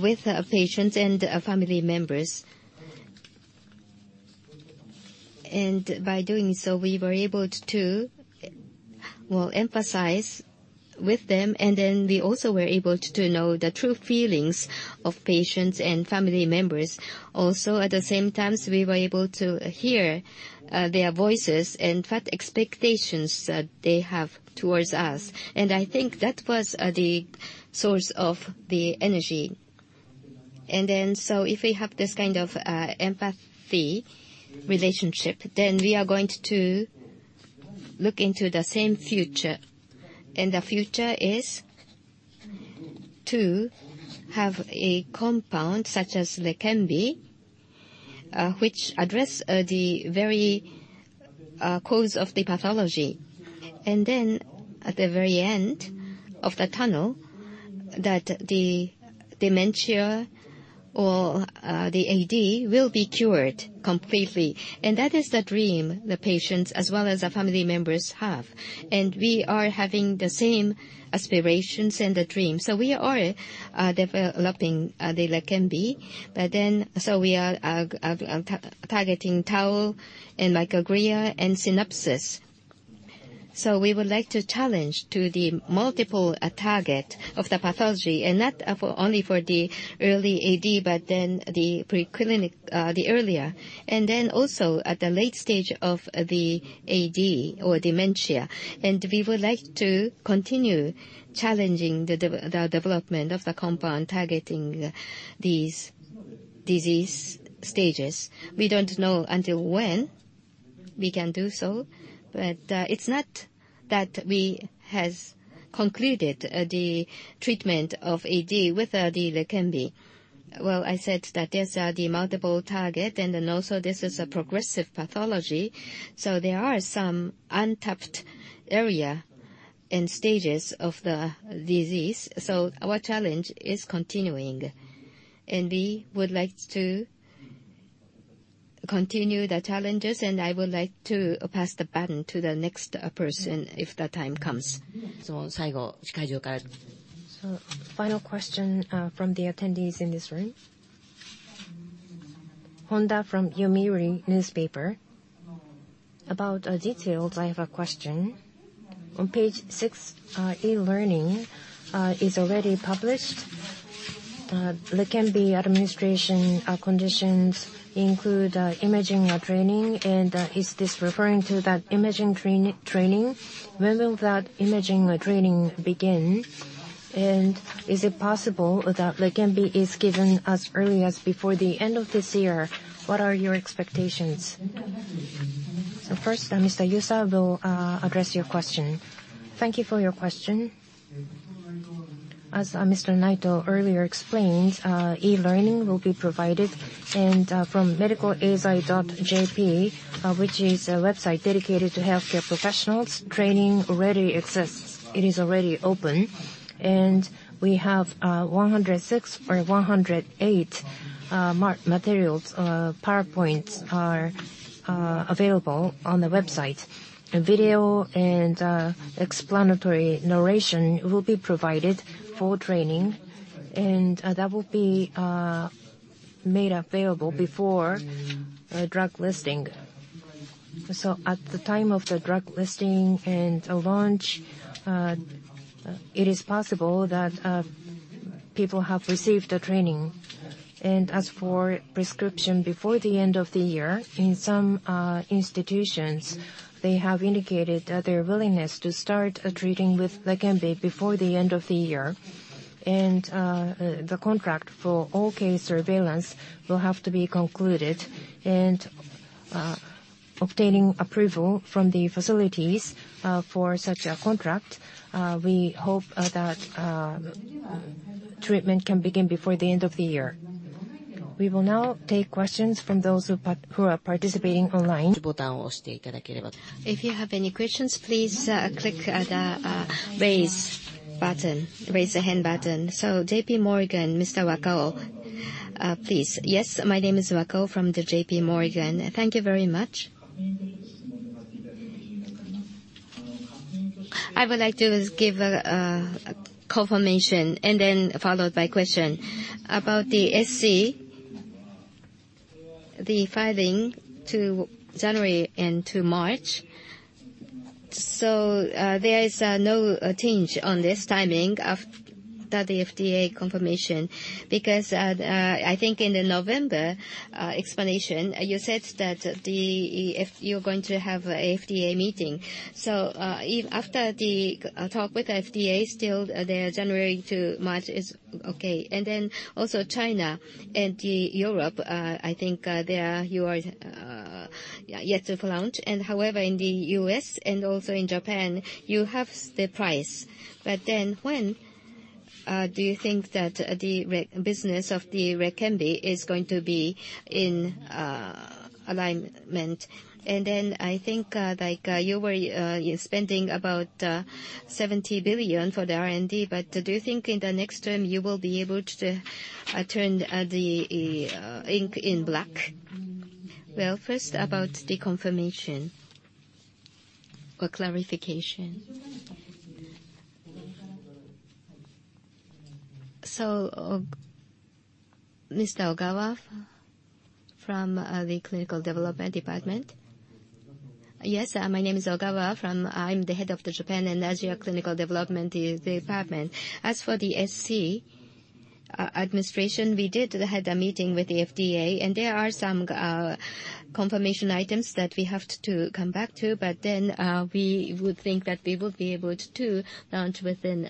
with our patients and our family members. And by doing so, we were able to, well, emphasize with them, and then we also were able to know the true feelings of patients and family members. Also, at the same time, we were able to hear their voices and what expectations they have towards us. And I think that was the source of the energy. And then, so if we have this kind of empathy relationship, then we are going to look into the same future. And the future is to have a compound, such as Leqembi, which address the very cause of the pathology. And then at the very end of the tunnel, that the dementia or the AD will be cured completely. And that is the dream the patients, as well as the family members, have. And we are having the same aspirations and the dream. So we are developing the Leqembi, but then, so we are targeting tau and microglia and synapse. So we would like to challenge to the multiple target of the pathology, and not only for the early AD, but then the preclinical, the earlier, and then also at the late stage of the AD or dementia. And we would like to continue challenging the development of the compound targeting these disease stages. We don't know until when we can do so, but, it's not that we has concluded, the treatment of AD with AD, Leqembi. Well, I said that these are the multiple target, and then also this is a progressive pathology, so there are some untapped area and stages of the disease. So our challenge is continuing, and we would like to continue the challenges, and I would like to pass the baton to the next, person if the time comes. Final question from the attendees in this room. Honda from Yomiuri Newspaper. About details, I have a question. On page six, e-learning is already published. Leqembi administration conditions include imaging or training, and is this referring to that imaging training? When will that imaging or training begin? And is it possible that Leqembi is given as early as before the end of this year? What are your expectations? First, Mr. Yusa will address your question. Thank you for your question. As Mr. Naito earlier explained, e-learning will be provided, and from medical.eisai.jp, which is a website dedicated to healthcare professionals, training already exists. It is already open, and we have 106 or 108 materials. PowerPoints are available on the website. A video and explanatory narration will be provided for training, and that will be made available before drug listing. So at the time of the drug listing and launch, it is possible that people have received the training. And as for prescription before the end of the year, in some institutions, they have indicated their willingness to start treating with Leqembi before the end of the year. And the contract for all-case surveillance will have to be concluded. Obtaining approval from the facilities for such a contract, we hope that treatment can begin before the end of the year. We will now take questions from those who are participating online. If you have any questions, please click the raise hand button. So JP Morgan, Mr. Wakao, please. Yes, my name is Seiji Wakao from JP Morgan. Thank you very much. I would like to give a confirmation and then followed by question. About the SC, the filing to January and to March, so there is no change on this timing after that the FDA confirmation? Because I think in the November explanation, you said that if you're going to have a FDA meeting. So if after the talk with FDA, still the January to March is okay. And then also China and Europe, I think there are, you are yet to launch. And however, in the U.S. and also in Japan, you have the price. But then when do you think that the business of the Leqembi is going to be in alignment? And then I think, like, you were spending about 70 billion for the R&D, but do you think in the next term, you will be able to turn the ink in black? Well, first, about the confirmation or clarification. So, Mr. Ogawa, from the Clinical Development Department. Yes, my name is Ogawa from. I'm the head of the Japan and Asia Clinical Development Department. As for the SC administration, we did have a meeting with the FDA, and there are some confirmation items that we have to come back to. But then, we would think that we will be able to launch within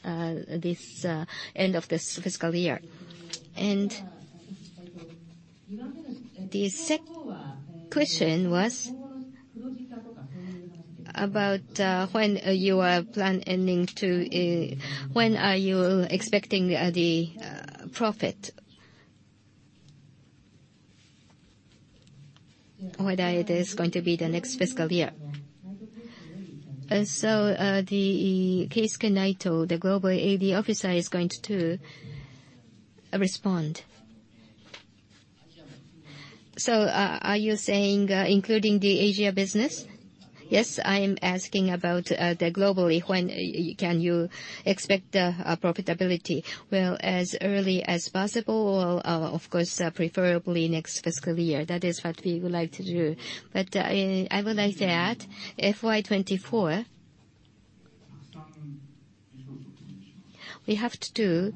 this end of this fiscal year. And the second question was about when you are planning to. When are you expecting the profit? Whether it is going to be the next fiscal year. So, the Keisuke Naito, the Global AD Officer, is going to respond. So are you saying, including the Asia business? Yes, I am asking about globally, when can you expect a profitability? Well, as early as possible, or, of course, preferably next fiscal year. That is what we would like to do. But, I would like to add, FY 2024 we have to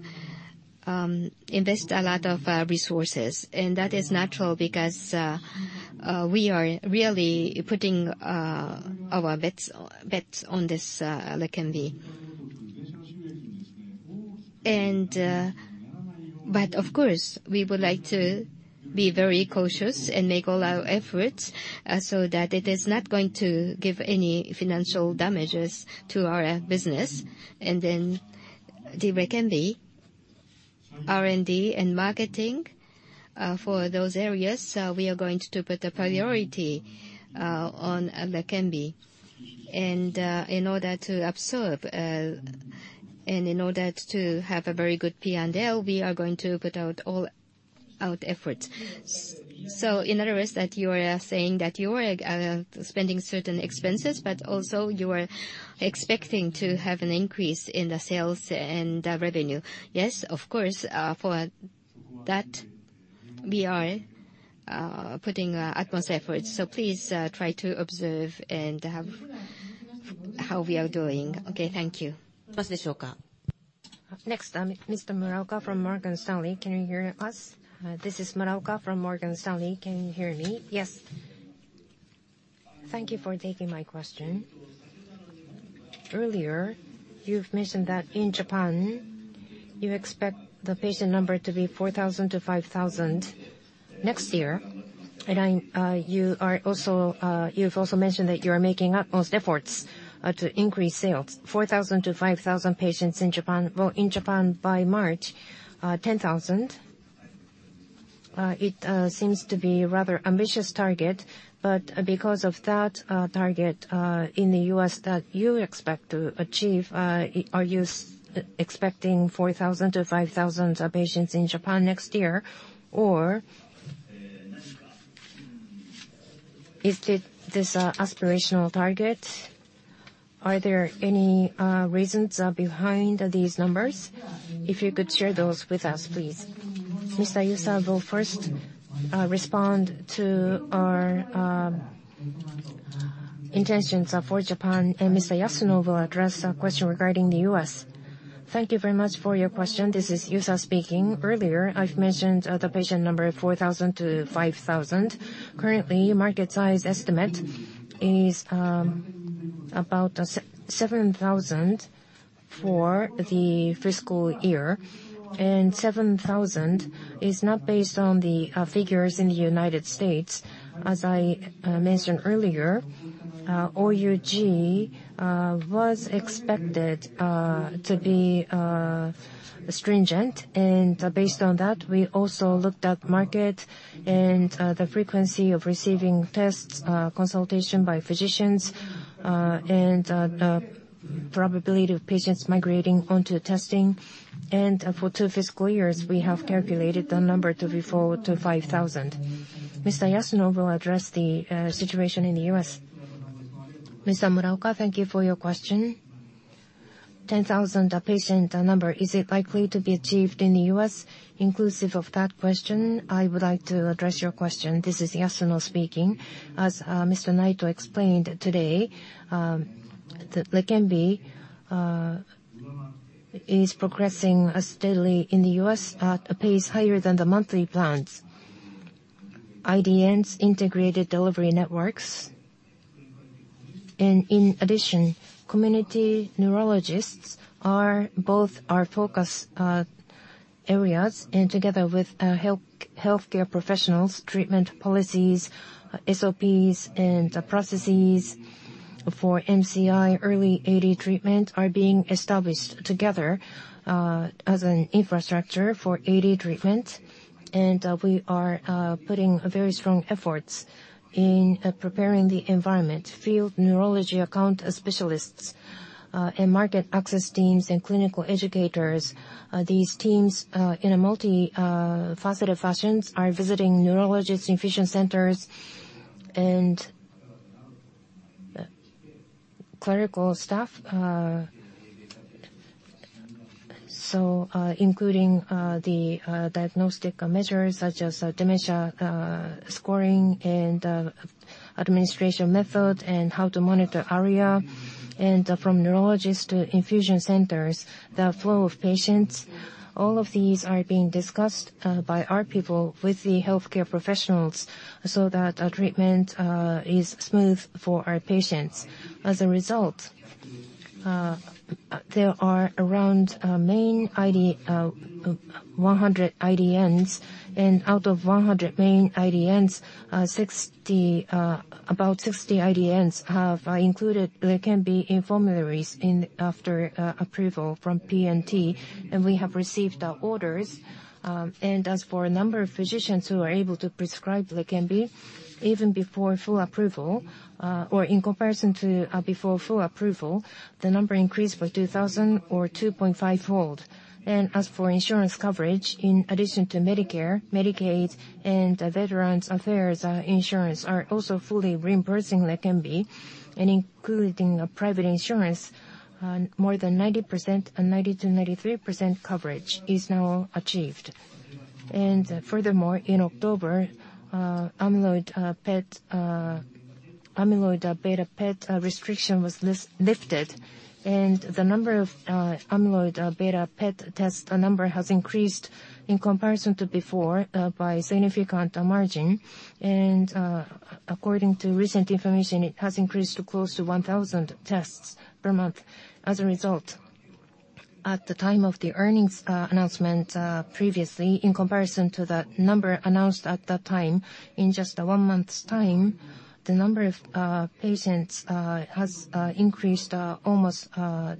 invest a lot of resources, and that is natural because we are really putting our bets on this Leqembi. But of course, we would like to be very cautious and make all our efforts so that it is not going to give any financial damages to our business. Then the Leqembi R&D and marketing for those areas, we are going to put a priority on Leqembi. In order to observe and in order to have a very good P&L, we are going to put all out efforts. In other words, that you are saying that you are spending certain expenses, but also you are expecting to have an increase in the sales and revenue? Yes, of course, for that, we are putting our utmost efforts, so please, try to observe and have how we are doing. Okay, thank you. Next, Mr. Muraoka from Morgan Stanley, can you hear us? This is Muraoka from Morgan Stanley. Can you hear me? Yes. Thank you for taking my question. Earlier, you've mentioned that in Japan, you expect the patient number to be 4,000-5,000 next year. You've also mentioned that you are making utmost efforts to increase sales. 4,000-5,000 patients in Japan, well, in Japan by March, 10,000. It seems to be a rather ambitious target, but because of that target in the U.S. that you expect to achieve, are you expecting 4,000-5,000 patients in Japan next year? Or is it this aspirational target? Are there any reasons behind these numbers? If you could share those with us, please. Mr. Yusa will first respond to our intentions for Japan, and Mr. Yasuno will address a question regarding the US. Thank you very much for your question. This is Yusa speaking. Earlier, I've mentioned the patient number of 4,000-5,000. Currently, market size estimate is about seven thousand for the fiscal year, and 7,000 is not based on the figures in the United States. As I mentioned earlier, OUG was expected to be stringent, and based on that, we also looked at market and the frequency of receiving tests, consultation by physicians, and the probability of patients migrating onto testing. For two fiscal years, we have calculated the number to be 4,000-5,000. Mr. Yasuno will address the situation in the U.S. Mr. Muraoka, thank you for your question. 10,000 patient number, is it likely to be achieved in the U.S.? Inclusive of that question, I would like to address your question. This is Yasuno speaking. As Mr. Naito explained today, the Leqembi is progressing steadily in the U.S. at a pace higher than the monthly plans. IDNs, integrated delivery networks, and in addition, community neurologists are both our focus areas, and together with healthcare professionals, treatment policies, SOPs, and processes for MCI early AD treatment are being established together as an infrastructure for AD treatment. And we are putting very strong efforts in preparing the environment. Field neurology account specialists and market access teams and clinical educators, these teams, in a multi-faceted fashions, are visiting neurologists, infusion centers, and clerical staff. So, including the diagnostic measures such as dementia scoring and administration method and how to monitor ARIA, and from neurologists to infusion centers, the flow of patients, all of these are being discussed by our people with the healthcare professionals so that our treatment is smooth for our patients. As a result, there are around 100 main IDNs, and out of 100 main IDNs, about 60 IDNs have included Leqembi in formularies after approval from P&T, and we have received our orders. As for number of physicians who are able to prescribe Leqembi, even before full approval, or in comparison to before full approval, the number increased by 2,000 or 2.5 fold. As for insurance coverage, in addition to Medicare, Medicaid and Veterans Affairs insurance are also fully reimbursing Leqembi, and including private insurance, more than 90%, 90%-93% coverage is now achieved. Furthermore, in October, amyloid PET- Amyloid beta PET restriction was lifted, and the number of amyloid beta PET test, the number has increased in comparison to before by significant margin. And according to recent information, it has increased to close to 1,000 tests per month. As a result, at the time of the earnings announcement previously, in comparison to the number announced at that time, in just one month's time, the number of patients has increased almost at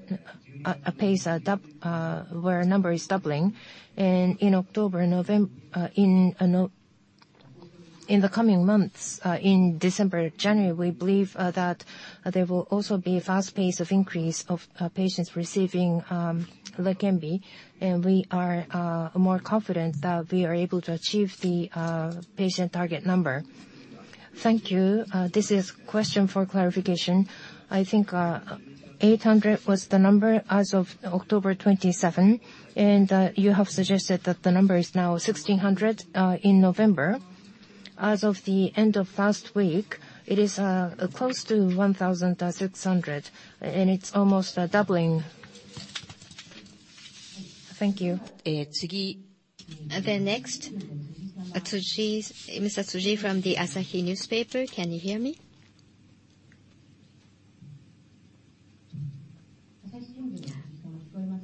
a pace where number is doubling. And in October, November in the coming months, in December, January, we believe that there will also be a fast pace of increase of patients receiving Leqembi, and we are more confident that we are able to achieve the patient target number. Thank you. This is question for clarification. I think 800 was the number as of October 27th, and you have suggested that the number is now 1,600 in November. As of the end of last week, it is close to 1,600, and it's almost doubling. Thank you. Then next, Tsuji, Mr. Tsuji from the Asahi Newspaper. Can you hear me?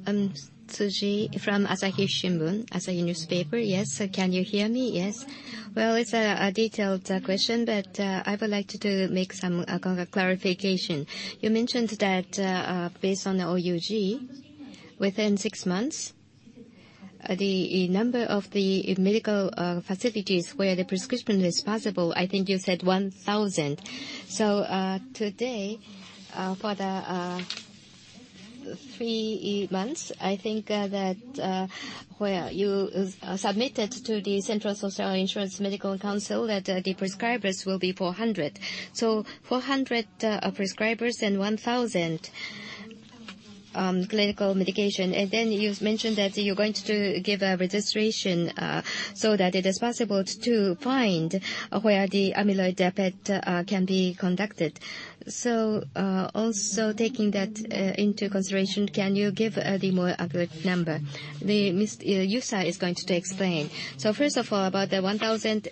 I'm Tsuji from Asahi Shimbun, Asahi Newspaper. Yes. Can you hear me? Yes. Well, it's a detailed question, but I would like to make some kind of clarification. You mentioned that based on the OUG, within six months, the number of the medical facilities where the prescription is possible, I think you said 1,000. So today, for the three months, I think that where you submitted to the Central Social Insurance Medical Council that the prescribers will be 400. So 400 prescribers and 1,000 clinical medication. And then you've mentioned that you're going to give a registration so that it is possible to find where the amyloid PET can be conducted. So, also taking that into consideration, can you give the more accurate number? Mr. Yusa is going to explain. So first of all, about the 1000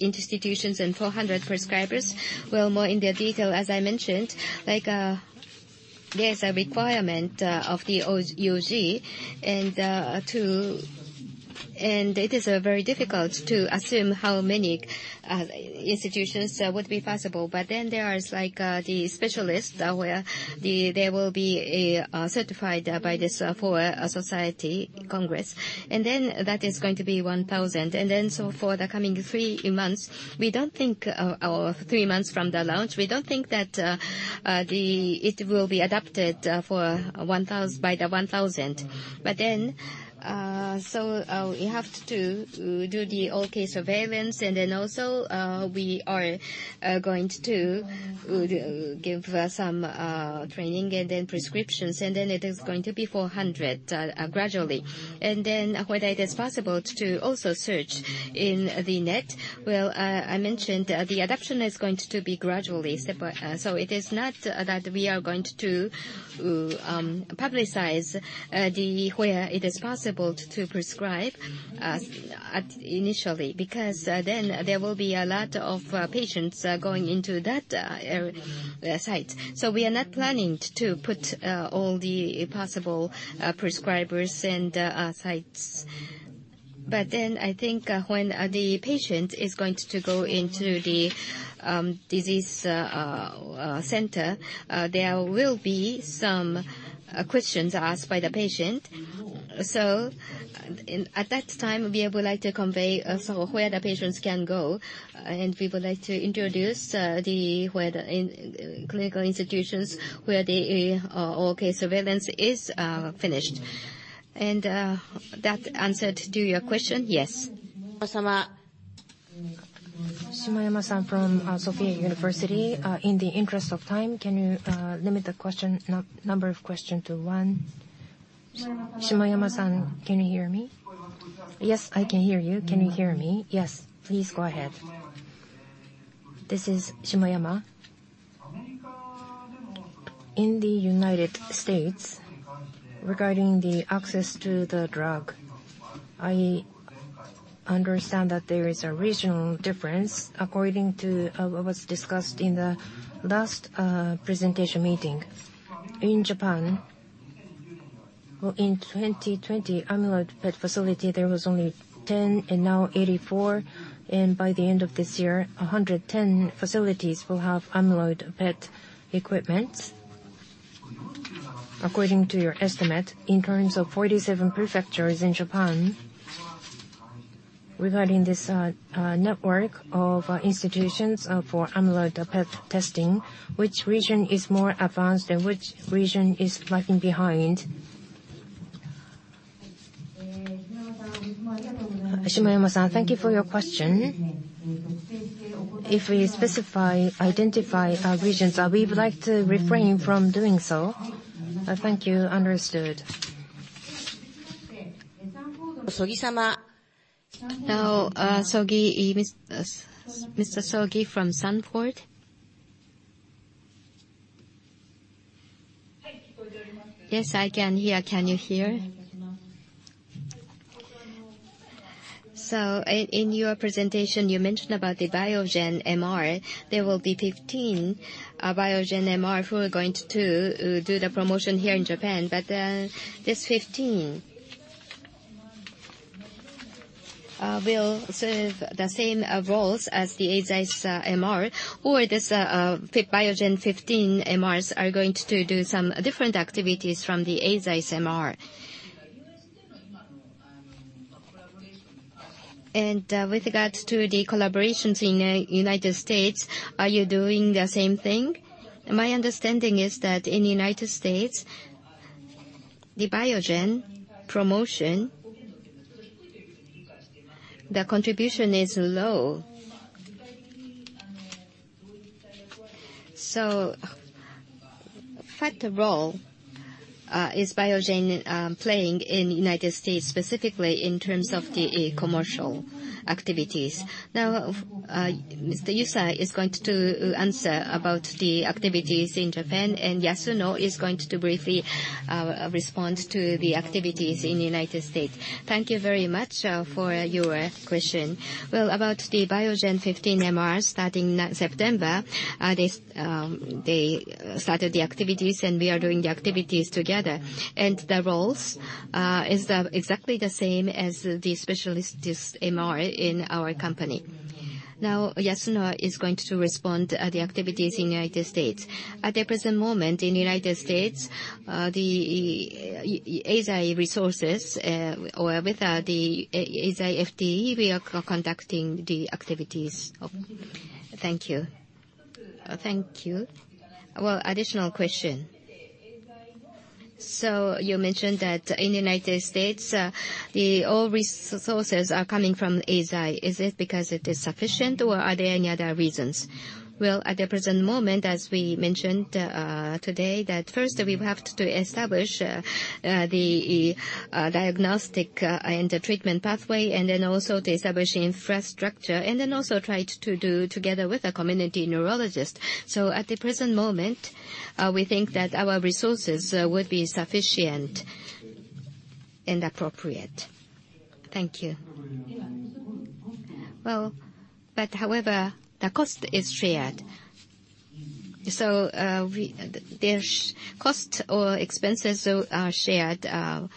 institutions and 400 prescribers, well, more in the detail, as I mentioned, like, there's a requirement of the OUG, and to, and it is very difficult to assume how many institutions would be possible. But then there is, like, the specialists where they will be certified by this for a society congress. And then that is going to be 1000. And then, so for the coming 3 months, we don't think, or 3 months from the launch, we don't think that it will be adopted for one thous- by the 1000. But then, so, we have to do the all-case surveillance, and then also, we are going to give some training and then prescriptions, and then it is going to be 400 gradually. And then whether it is possible to also search in the net, well, I mentioned, the adoption is going to be gradually, step by- so it is not that we are going to publicize the where it is possible to prescribe at initially. Because then there will be a lot of patients going into that site. So we are not planning to put all the possible prescribers and sites. But then I think, when the patient is going to go into the disease center, there will be some questions asked by the patient. So at that time, we would like to convey also where the patients can go, and we would like to introduce the where the clinical institutions, where the all case surveillance is finished. And that answered to your question? Yes. Shimayama from Sophia University. In the interest of time, can you limit the number of questions to one? Shimayama, can you hear me? Yes, I can hear you. Can you hear me? Yes, please go ahead. This is Shimayama. In the United States, regarding the access to the drug, I understand that there is a regional difference according to what was discussed in the last presentation meeting. In Japan, well, in 2020, amyloid PET facility, there was only 10, and now 84, and by the end of this year, 110 facilities will have amyloid PET equipment. According to your estimate, in terms of 47 prefectures in Japan, regarding this network of institutions for amyloid PET testing, which region is more advanced and which region is lagging behind? Shimayama, thank you for your question. If we specify, identify our regions, we would like to refrain from doing so. Thank you. Understood. Now, Sogi, Mr. Sogi from Sanford C. Bernstein? Yes, I can hear. Can you hear? So, in your presentation, you mentioned about the Biogen MR. There will be 15 Biogen MR who are going to do the promotion here in Japan. But this 15 will serve the same roles as the Eisai's MR, or this Biogen 15 MRs are going to do some different activities from the Eisai MR. And with regards to the collaborations in United States, are you doing the same thing? My understanding is that in the United States, the Biogen promotion, the contribution is low. So what role is Biogen playing in the United States, specifically in terms of the commercial activities? Now, Mr. Yusa is going to answer about the activities in Japan, and Yasuno is going to briefly respond to the activities in the United States. Thank you very much for your question. Well, about the Biogen 15 MRs starting September, they started the activities, and we are doing the activities together. And the roles is exactly the same as the specialist MR in our company. Now, Yasuno is going to respond the activities in United States. At the present moment in United States, the Eisai resources or with the Eisai FD, we are co-conducting the activities. Thank you. Thank you. Well, additional question. So you mentioned that in the United States, the all resources are coming from Eisai. Is it because it is sufficient, or are there any other reasons? Well, at the present moment, as we mentioned, today, that first we have to establish the diagnostic and the treatment pathway, and then also to establish infrastructure, and then also try to do together with a community neurologist. So at the present moment, we think that our resources would be sufficient and appropriate. Thank you. Well, but however, the cost is shared. So, the cost or expenses are shared in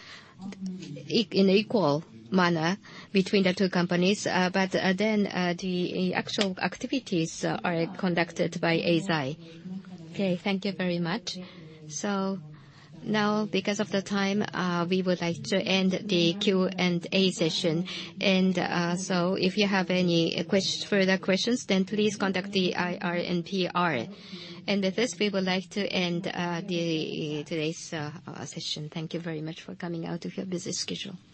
equal manner between the two companies, but then the actual activities are conducted by Eisai. Okay, thank you very much. So now, because of the time, we would like to end the Q&A session. And so if you have any further questions, then please contact the IR and PR. And with this, we would like to end today's session. Thank you very much for coming out of your busy schedule.